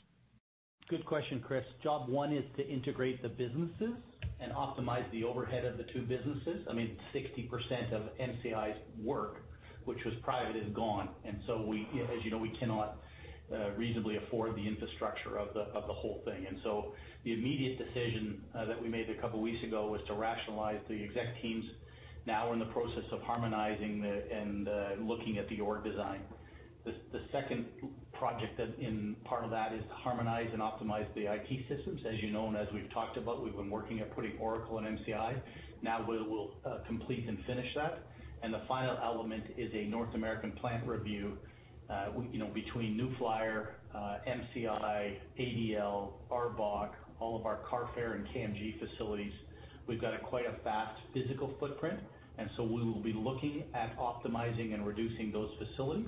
Good question, Chris. Job one is to integrate the businesses and optimize the overhead of the two businesses. I mean, 60% of MCI's work, which was private, is gone. As you know, we cannot reasonably afford the infrastructure of the whole thing. The immediate decision that we made a couple of weeks ago was to rationalize the exec teams now in the process of harmonizing and looking at the org design. The second project that in part of that is to harmonize and optimize the IT systems. As you know and as we've talked about, we've been working at putting Oracle in MCI. Now we will complete and finish that. The final element is a North American plant review between New Flyer, MCI, ADL, ARBOC, all of our Carfair and KMG facilities. We've got quite a vast physical footprint, and so we will be looking at optimizing and reducing those facilities.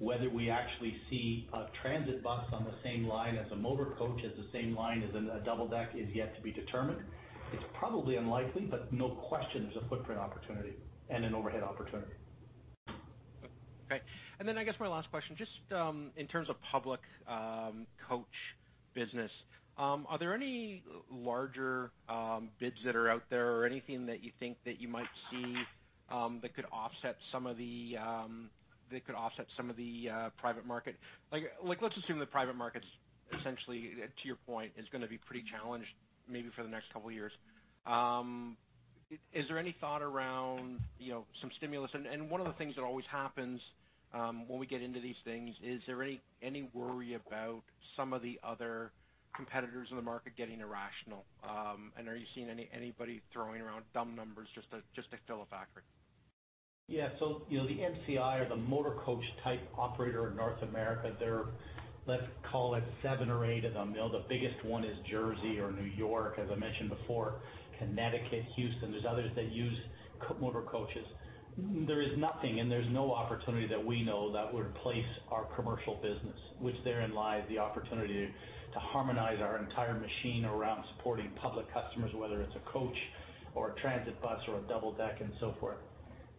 Whether we actually see a transit bus on the same line as a motor coach, as the same line as a double deck is yet to be determined. It's probably unlikely, but no question there's a footprint opportunity and an overhead opportunity.
Okay. I guess my last question, just in terms of public coach business, are there any larger bids that are out there or anything that you think that you might see that could offset some of the private market? Let's assume the private market's essentially, to your point, is going to be pretty challenged maybe for the next couple of years. Is there any thought around some stimulus? One of the things that always happens when we get into these things, is there any worry about some of the other competitors in the market getting irrational? Are you seeing anybody throwing around dumb numbers just to fill a factory?
Yeah. The MCI or the motor coach type operator in North America, they're, let's call it seven or eight of them. The biggest one is Jersey or New York, as I mentioned before, Connecticut, Houston. There's others that use motor coaches. There is nothing and there's no opportunity that we know that would replace our commercial business, which therein lies the opportunity to harmonize our entire machine around supporting public customers, whether it's a coach or a transit bus or a double deck and so forth.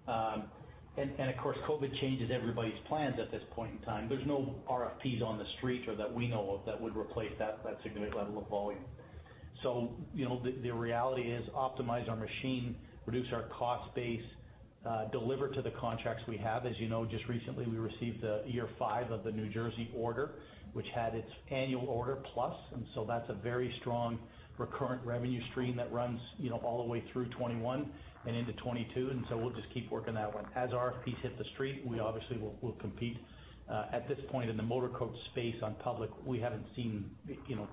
Of course, COVID changes everybody's plans at this point in time. There's no RFPs on the street or that we know of that would replace that significant level of volume. The reality is optimize our machine, reduce our cost base, deliver to the contracts we have. As you know, just recently, we received the year five of the New Jersey order, which had its annual order plus. That's a very strong recurrent revenue stream that runs all the way through 2021 and into 2022. We'll just keep working that one. As RFPs hit the street, we obviously will compete. At this point in the motor coach space on public, we haven't seen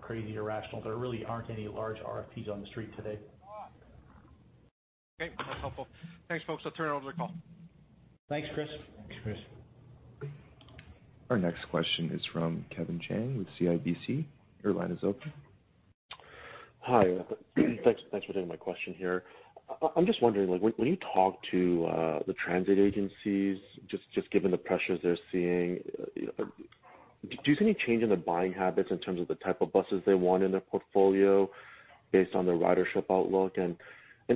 crazy irrational. There really aren't any large RFPs on the street today.
Okay. That's helpful. Thanks, folks. I'll turn over the call.
Thanks, Chris.
Our next question is from Kevin Chiang with CIBC. Your line is open.
Hi. Thanks for taking my question here. I'm just wondering, when you talk to the transit agencies, just given the pressures they're seeing, do you see any change in the buying habits in terms of the type of buses they want in their portfolio based on their ridership outlook, or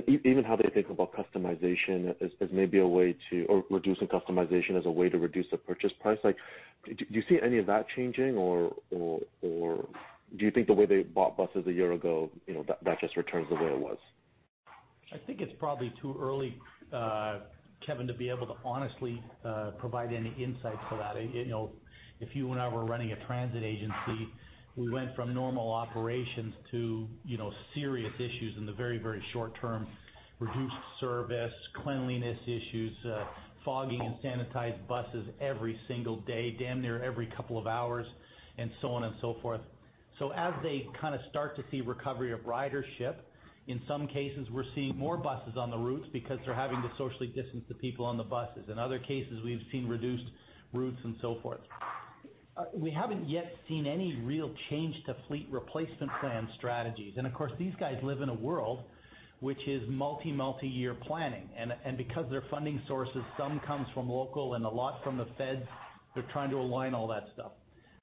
even how they think about customization or reducing customization as a way to reduce the purchase price? Do you see any of that changing or do you think the way they bought buses a year ago, that just returns to the way it was?
I think it's probably too early, Kevin, to be able to honestly provide any insights to that. If you and I were running a transit agency, we went from normal operations to serious issues in the very short term. Reduced service, cleanliness issues, fogging and sanitized buses every single day, damn near every couple of hours, and so on and so forth. As they start to see recovery of ridership, in some cases, we're seeing more buses on the routes because they're having to socially distance the people on the buses. In other cases, we've seen reduced routes and so forth. We haven't yet seen any real change to fleet replacement plan strategies. Of course, these guys live in a world which is multi-year planning. Because their funding sources, some comes from local and a lot from the feds, they're trying to align all that stuff.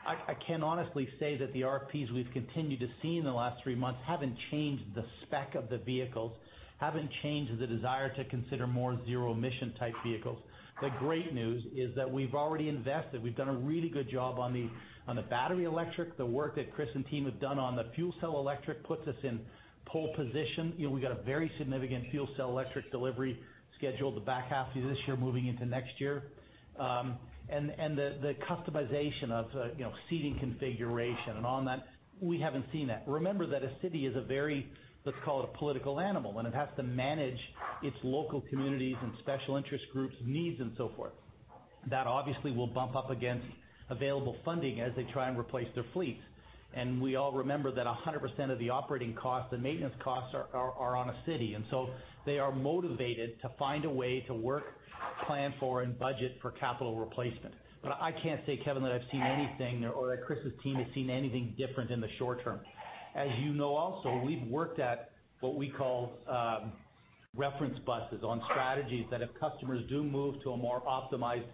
I can honestly say that the RFPs we've continued to see in the last three months haven't changed the spec of the vehicles, haven't changed the desire to consider more zero emission type vehicles. The great news is that we've already invested. We've done a really good job on the battery electric. The work that Chris and team have done on the fuel cell electric puts us in pole position. We've got a very significant fuel cell electric delivery scheduled the back half of this year moving into next year. The customization of seating configuration and all on that, we haven't seen that. Remember that a city is a very, let's call it a political animal, and it has to manage its local communities and special interest groups' needs and so forth. That obviously will bump up against available funding as they try and replace their fleets. We all remember that 100% of the operating costs and maintenance costs are on a city. They are motivated to find a way to work, plan for, and budget for capital replacement. I can't say, Kevin, that I've seen anything or that Chris's team has seen anything different in the short term. As you know also, we've worked at what we call reference buses on strategies that if customers do move to a more optimized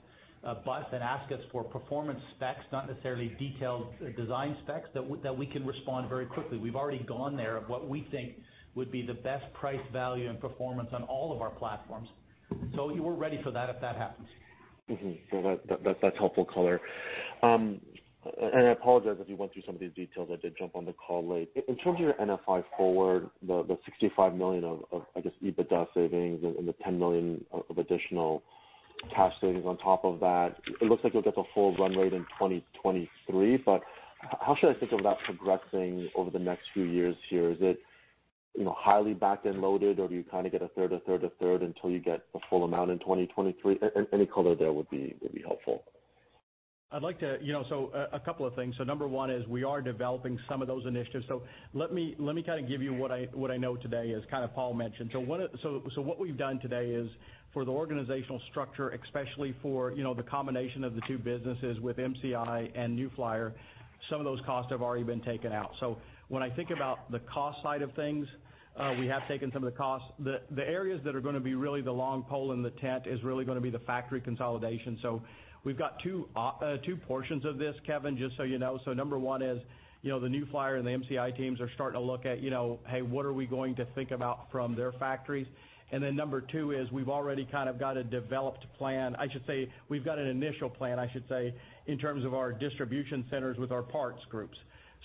bus and ask us for performance specs, not necessarily detailed design specs, that we can respond very quickly. We've already gone there of what we think would be the best price, value, and performance on all of our platforms. We're ready for that if that happens.
That's helpful color. I apologize if you went through some of these details. I did jump on the call late. In terms of your NFI Forward, the $65 million of, I guess, EBITDA savings and the $10 million of additional cash savings on top of that, it looks like you'll get the full run rate in 2023. How should I think of that progressing over the next few years here? Is it highly back-end loaded or do you kind of get a third, until you get the full amount in 2023? Any color there would be helpful.
A couple of things. Number one is we are developing some of those initiatives. Let me give you what I know today, as kind of Paul mentioned. What we've done today is for the organizational structure, especially for the combination of the two businesses with MCI and New Flyer, some of those costs have already been taken out. When I think about the cost side of things, we have taken some of the costs. The areas that are going to be really the long pole in the tent is really going to be the factory consolidation. We've got two portions of this, Kevin, just so you know. Number one is the New Flyer and the MCI teams are starting to look at, "Hey, what are we going to think about from their factories?" Number two is we've already kind of got a developed plan, I should say we've got an initial plan, in terms of our distribution centers with our parts groups.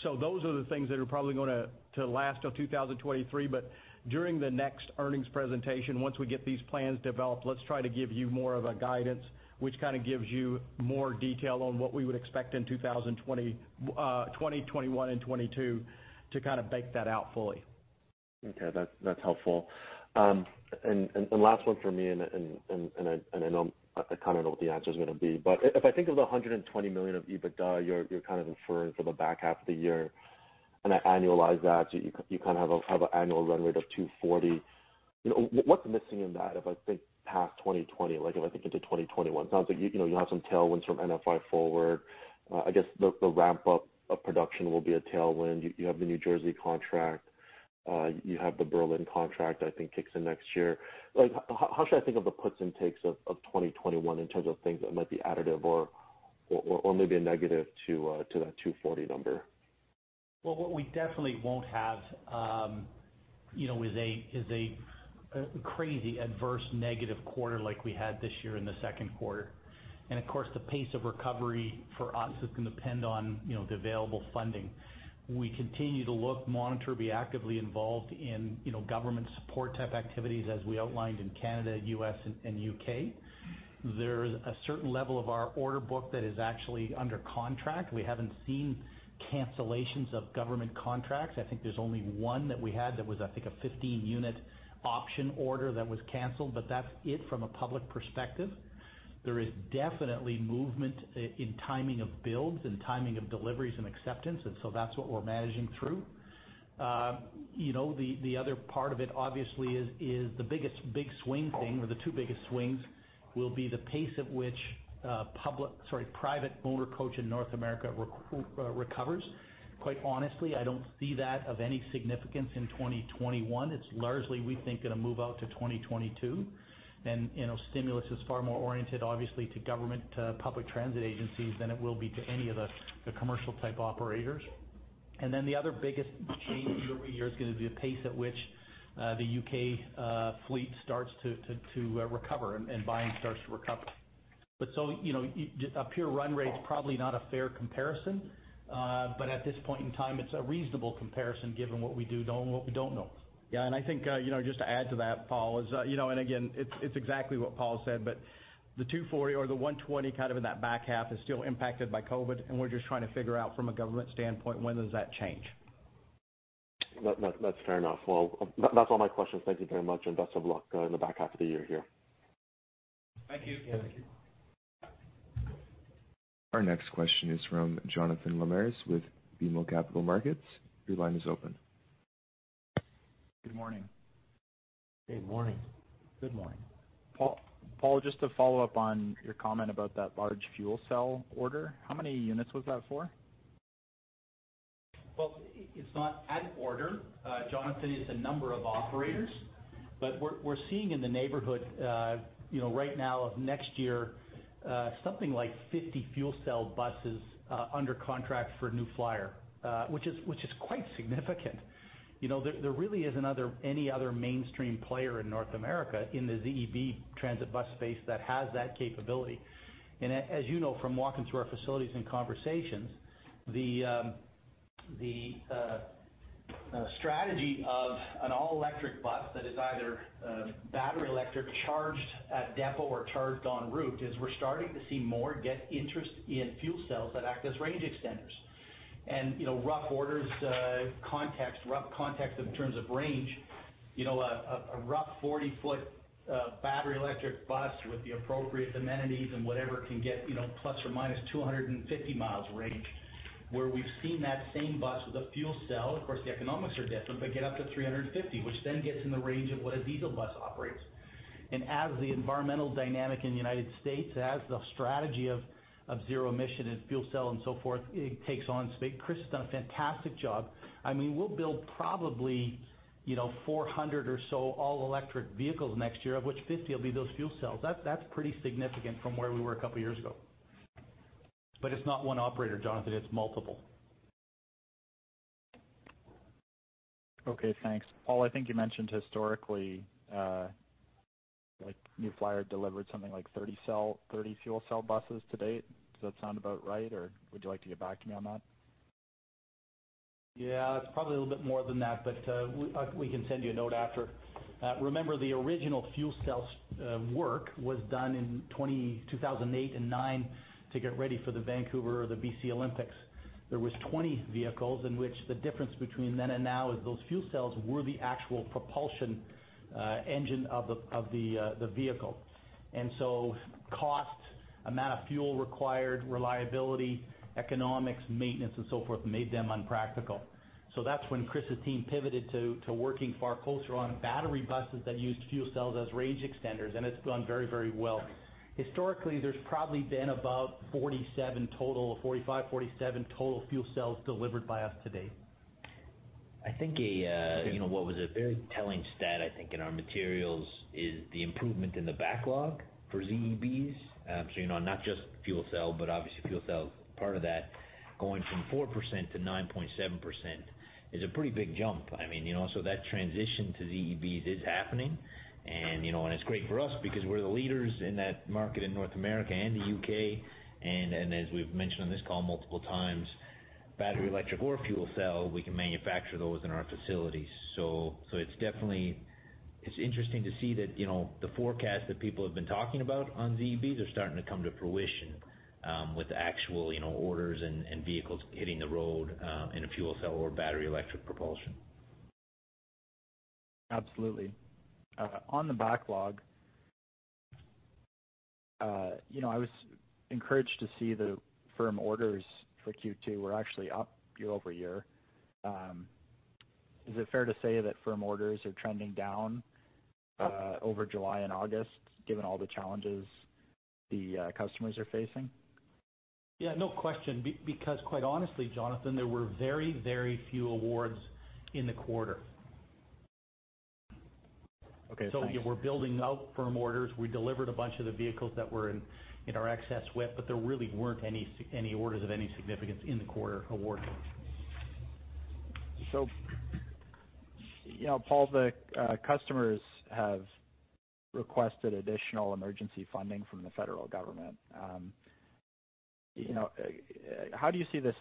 Those are the things that are probably going to last till 2023, but during the next earnings presentation, once we get these plans developed, let's try to give you more of a guidance, which kind of gives you more detail on what we would expect in 2021 and 2022 to kind of bake that out fully.
Okay. That's helpful. Last one for me, and I kind of know what the answer's going to be, but if I think of the $120 million of EBITDA you're kind of inferring for the back half of the year, and I annualize that, so you kind of have an annual run rate of $240. What's missing in that if I think past 2020, like if I think into 2021? It sounds like you have some tailwinds from NFI Forward. I guess the ramp-up of production will be a tailwind. You have the New Jersey contract. You have the Berlin contract I think kicks in next year. How should I think of the puts and takes of 2021 in terms of things that might be additive or maybe a negative to that 240 number?
Well, what we definitely won't have is a crazy adverse negative quarter like we had this year in the second quarter. Of course, the pace of recovery for us is going to depend on the available funding. We continue to look, monitor, be actively involved in government support type activities as we outlined in Canada, U.S., and U.K. There's a certain level of our order book that is actually under contract. We haven't seen cancellations of government contracts. I think there's only one that we had that was, I think, a 15-unit option order that was canceled, but that's it from a public perspective. There is definitely movement in timing of builds and timing of deliveries and acceptance, and so that's what we're managing through. The other part of it obviously is the biggest big swing thing, or the two biggest swings, will be the pace at which private owner coach in North America recovers. Quite honestly, I don't see that of any significance in 2021. It's largely, we think, going to move out to 2022. Stimulus is far more oriented, obviously, to government public transit agencies than it will be to any of the commercial type operators. The other biggest change over a year is going to be the pace at which the U.K. fleet starts to recover and buying starts to recover. A pure run rate is probably not a fair comparison. At this point in time, it's a reasonable comparison given what we do know and what we don't know.
Yeah, I think just to add to that, Paul, and again, it's exactly what Paul said, but the 240 or the 120 in that back half is still impacted by COVID, and we're just trying to figure out from a government standpoint, when does that change?
That's fair enough. Well, that's all my questions. Thank you very much, and best of luck in the back half of the year here.
Thank you.
Our next question is from Jonathan Lamers with BMO Capital Markets. Your line is open.
Good morning.
Good morning.
Good morning.
Paul, just to follow up on your comment about that large fuel cell order, how many units was that for?
Well, it's not an order, Jonathan. It's a number of operators. We're seeing in the neighborhood right now of next year something like 50 fuel cell buses under contract for New Flyer, which is quite significant. There really isn't any other mainstream player in North America in the ZEB transit bus space that has that capability. As you know from walking through our facilities and conversations, the strategy of an all-electric bus that is either battery electric, charged at depot or charged en route, is we're starting to see more get interest in fuel cells that act as range extenders. Rough orders context, rough context in terms of range, a rough 40-foot battery electric bus with the appropriate amenities and whatever can get ±250 miles range, where we've seen that same bus with a fuel cell, of course, the economics are different, get up to 350, which gets in the range of what a diesel bus operates. As the environmental dynamic in the U.S., as the strategy of zero-emission and fuel cell and so forth, it takes on speed. Chris has done a fantastic job. We'll build probably 400 or so all-electric vehicles next year, of which 50 will be those fuel cells. That's pretty significant from where we were a couple of years ago. It's not one operator, Jonathan, it's multiple.
Okay, thanks. Paul, I think you mentioned historically New Flyer delivered something like 30 fuel cell buses to date. Does that sound about right, or would you like to get back to me on that?
It's probably a little bit more than that, we can send you a note after. Remember, the original fuel cell work was done in 2008 and 2009 to get ready for the Vancouver or the B.C. Olympics. There was 20 vehicles in which the difference between then and now is those fuel cells were the actual propulsion engine of the vehicle. Costs, amount of fuel required, reliability, economics, maintenance, and so forth, made them impractical. That's when Chris's team pivoted to working far closer on battery buses that used fuel cells as range extenders, and it's gone very well. Historically, there's probably been about 47 total, 45, 47 total fuel cells delivered by us to date.
I think what was a very telling stat, I think in our materials, is the improvement in the backlog for ZEBs. Not just fuel cell, but obviously fuel cell is part of that, going from 4%-9.7% is a pretty big jump. That transition to ZEBs is happening, and it's great for us because we're the leaders in that market in North America and the U.K. As we've mentioned on this call multiple times, battery, electric, or fuel cell, we can manufacture those in our facilities. It's interesting to see that the forecast that people have been talking about on ZEBs are starting to come to fruition with the actual orders and vehicles hitting the road in a fuel cell or battery electric propulsion.
Absolutely. On the backlog, I was encouraged to see the firm orders for Q2 were actually up year-over-year. Is it fair to say that firm orders are trending down over July and August given all the challenges the customers are facing?
Yeah, no question, because quite honestly, Jonathan, there were very few awards in the quarter.
Okay, thanks.
Yeah, we're building out firm orders. We delivered a bunch of the vehicles that were in our excess WIP, but there really weren't any orders of any significance in the quarter awarded.
Paul, the customers have requested additional emergency funding from the federal government. How do you see this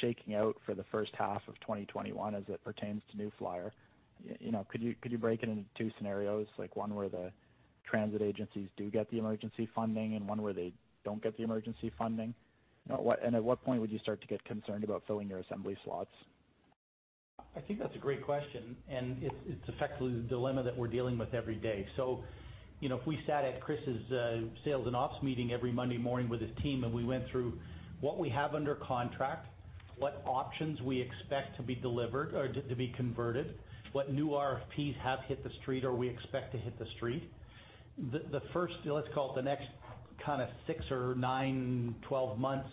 shaking out for the first half of 2021 as it pertains to New Flyer? Could you break it into two scenarios, like one where the transit agencies do get the emergency funding and one where they don't get the emergency funding? At what point would you start to get concerned about filling your assembly slots?
I think that's a great question, and it's effectively the dilemma that we're dealing with every day. If we sat at Chris's sales and ops meeting every Monday morning with his team, and we went through what we have under contract, what options we expect to be delivered or to be converted, what new RFPs have hit the street or we expect to hit the street, the first, let's call it the next kind of six or nine, 12 months,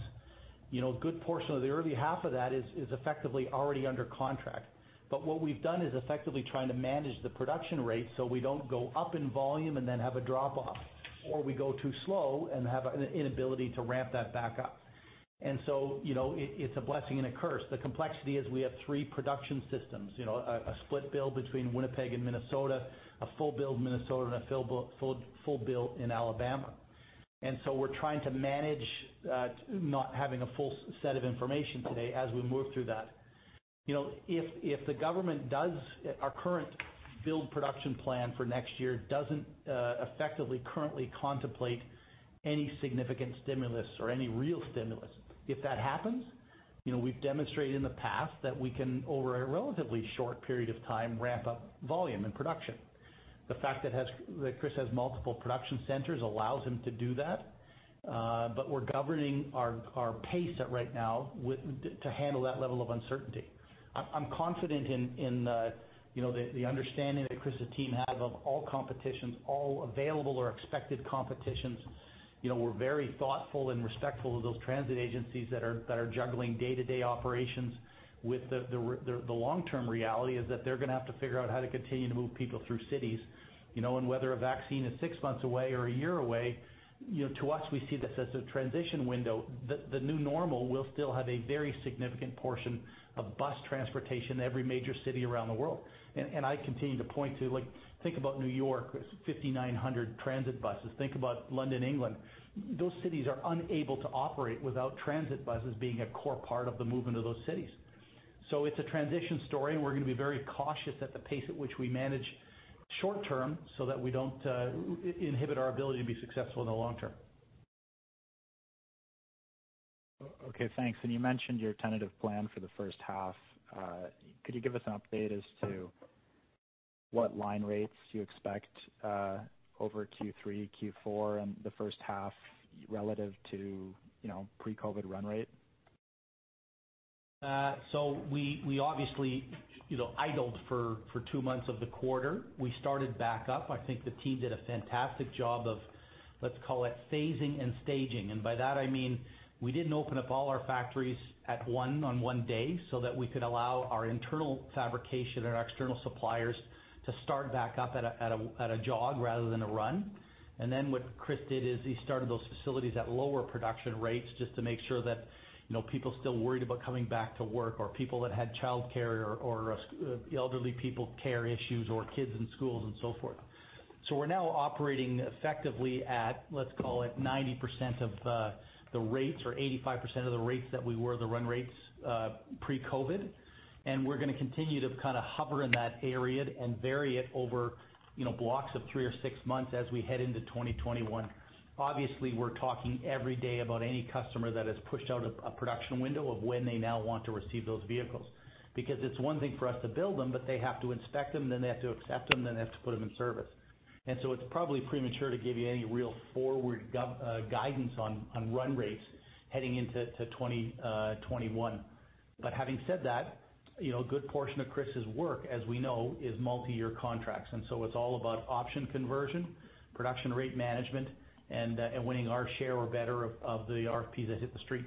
a good portion of the early half of that is effectively already under contract. What we've done is effectively trying to manage the production rate so we don't go up in volume and then have a drop-off, or we go too slow and have an inability to ramp that back up. It's a blessing and a curse. The complexity is we have three production systems, a split build between Winnipeg and Minnesota, a full build in Minnesota, and a full build in Alabama. We're trying to manage not having a full set of information today as we move through that. If the government does, our current build production plan for next year doesn't effectively currently contemplate any significant stimulus or any real stimulus. If that happens, we've demonstrated in the past that we can, over a relatively short period of time, ramp up volume and production. The fact that Chris has multiple production centers allows him to do that. We're governing our pace at right now to handle that level of uncertainty. I'm confident in the understanding that Chris's team have of all competitions, all available or expected competitions. We're very thoughtful and respectful of those transit agencies that are juggling day-to-day operations with the long-term reality is that they're going to have to figure out how to continue to move people through cities. Whether a vaccine is six months away or one year away, to us, we see this as a transition window. The new normal will still have a very significant portion of bus transportation to every major city around the world. I continue to point to, think about New York, 5,900 transit buses. Think about London, England. Those cities are unable to operate without transit buses being a core part of the movement of those cities. It's a transition story, and we're going to be very cautious at the pace at which we manage short term so that we don't inhibit our ability to be successful in the long term.
Okay, thanks. You mentioned your tentative plan for the first half. Could you give us an update as to what line rates you expect over Q3, Q4, and the first half relative to pre-COVID run rate?
We obviously idled for two months of the quarter. We started back up. I think the team did a fantastic job of, let's call it phasing and staging. By that I mean we didn't open up all our factories at once on one day so that we could allow our internal fabrication and our external suppliers to start back up at a jog rather than a run. What Chris did is he started those facilities at lower production rates just to make sure that people still worried about coming back to work or people that had childcare or elderly people care issues or kids in schools and so forth. We're now operating effectively at, let's call it, 90% of the rates or 85% of the rates that we were the run rates pre-COVID-19. We're going to continue to kind of hover in that area and vary it over blocks of three or six months as we head into 2021. Obviously, we're talking every day about any customer that has pushed out a production window of when they now want to receive those vehicles. It's one thing for us to build them, but they have to inspect them, then they have to accept them, then they have to put them in service. It's probably premature to give you any real forward guidance on run rates heading into 2021. Having said that, a good portion of Chris's work, as we know, is multi-year contracts. It's all about option conversion, production rate management, and winning our share or better of the RFPs that hit the street.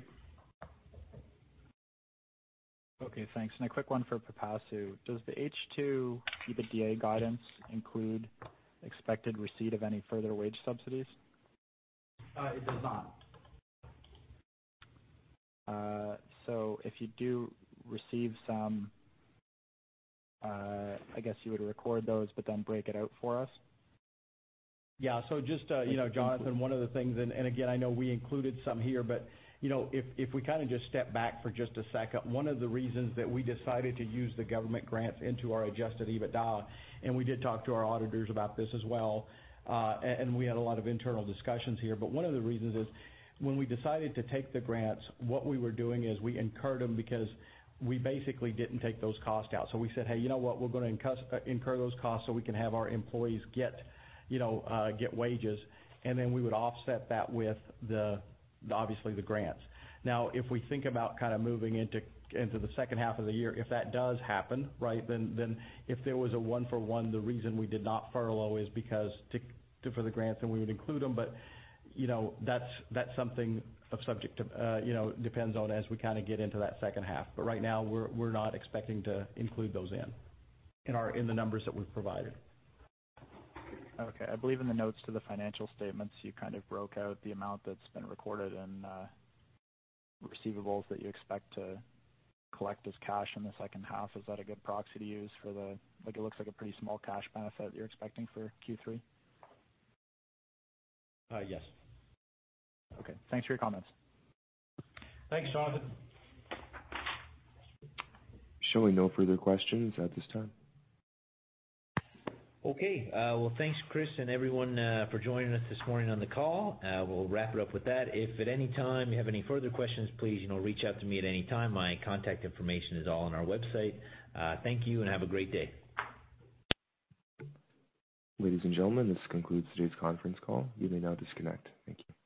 Okay, thanks. A quick one for Pipasu. Does the H2 EBITDA guidance include expected receipt of any further wage subsidies?
It does not.
If you do receive some, I guess you would record those, but then break it out for us?
Yeah. Just, Jonathan, one of the things, and again, I know we included some here, but if we kind of just step back for just a second, one of the reasons that we decided to use the government grants into our adjusted EBITDA, and we did talk to our auditors about this as well, and we had a lot of internal discussions here. One of the reasons is when we decided to take the grants, what we were doing is we incurred them because we basically didn't take those costs out. We said, "Hey, you know what? We're going to incur those costs so we can have our employees get wages." We would offset that with obviously the grants. Now, if we think about kind of moving into the second half of the year, if that does happen, then if there was a one for one, the reason we did not furlough is because for the grants, then we would include them. That's something depends on as we kind of get into that second half. Right now, we're not expecting to include those in the numbers that we've provided.
I believe in the notes to the financial statements, you kind of broke out the amount that's been recorded and receivables that you expect to collect as cash in the second half. Is that a good proxy to use for the, like it looks like a pretty small cash benefit you're expecting for Q3?
Yes.
Okay. Thanks for your comments.
Thanks, Jonathan.
Showing no further questions at this time.
Okay. Well, thanks Chris and everyone for joining us this morning on the call. We'll wrap it up with that. If at any time you have any further questions, please reach out to me at any time. My contact information is all on our website. Thank you and have a great day.
Ladies and gentlemen, this concludes today's conference call. You may now disconnect. Thank you.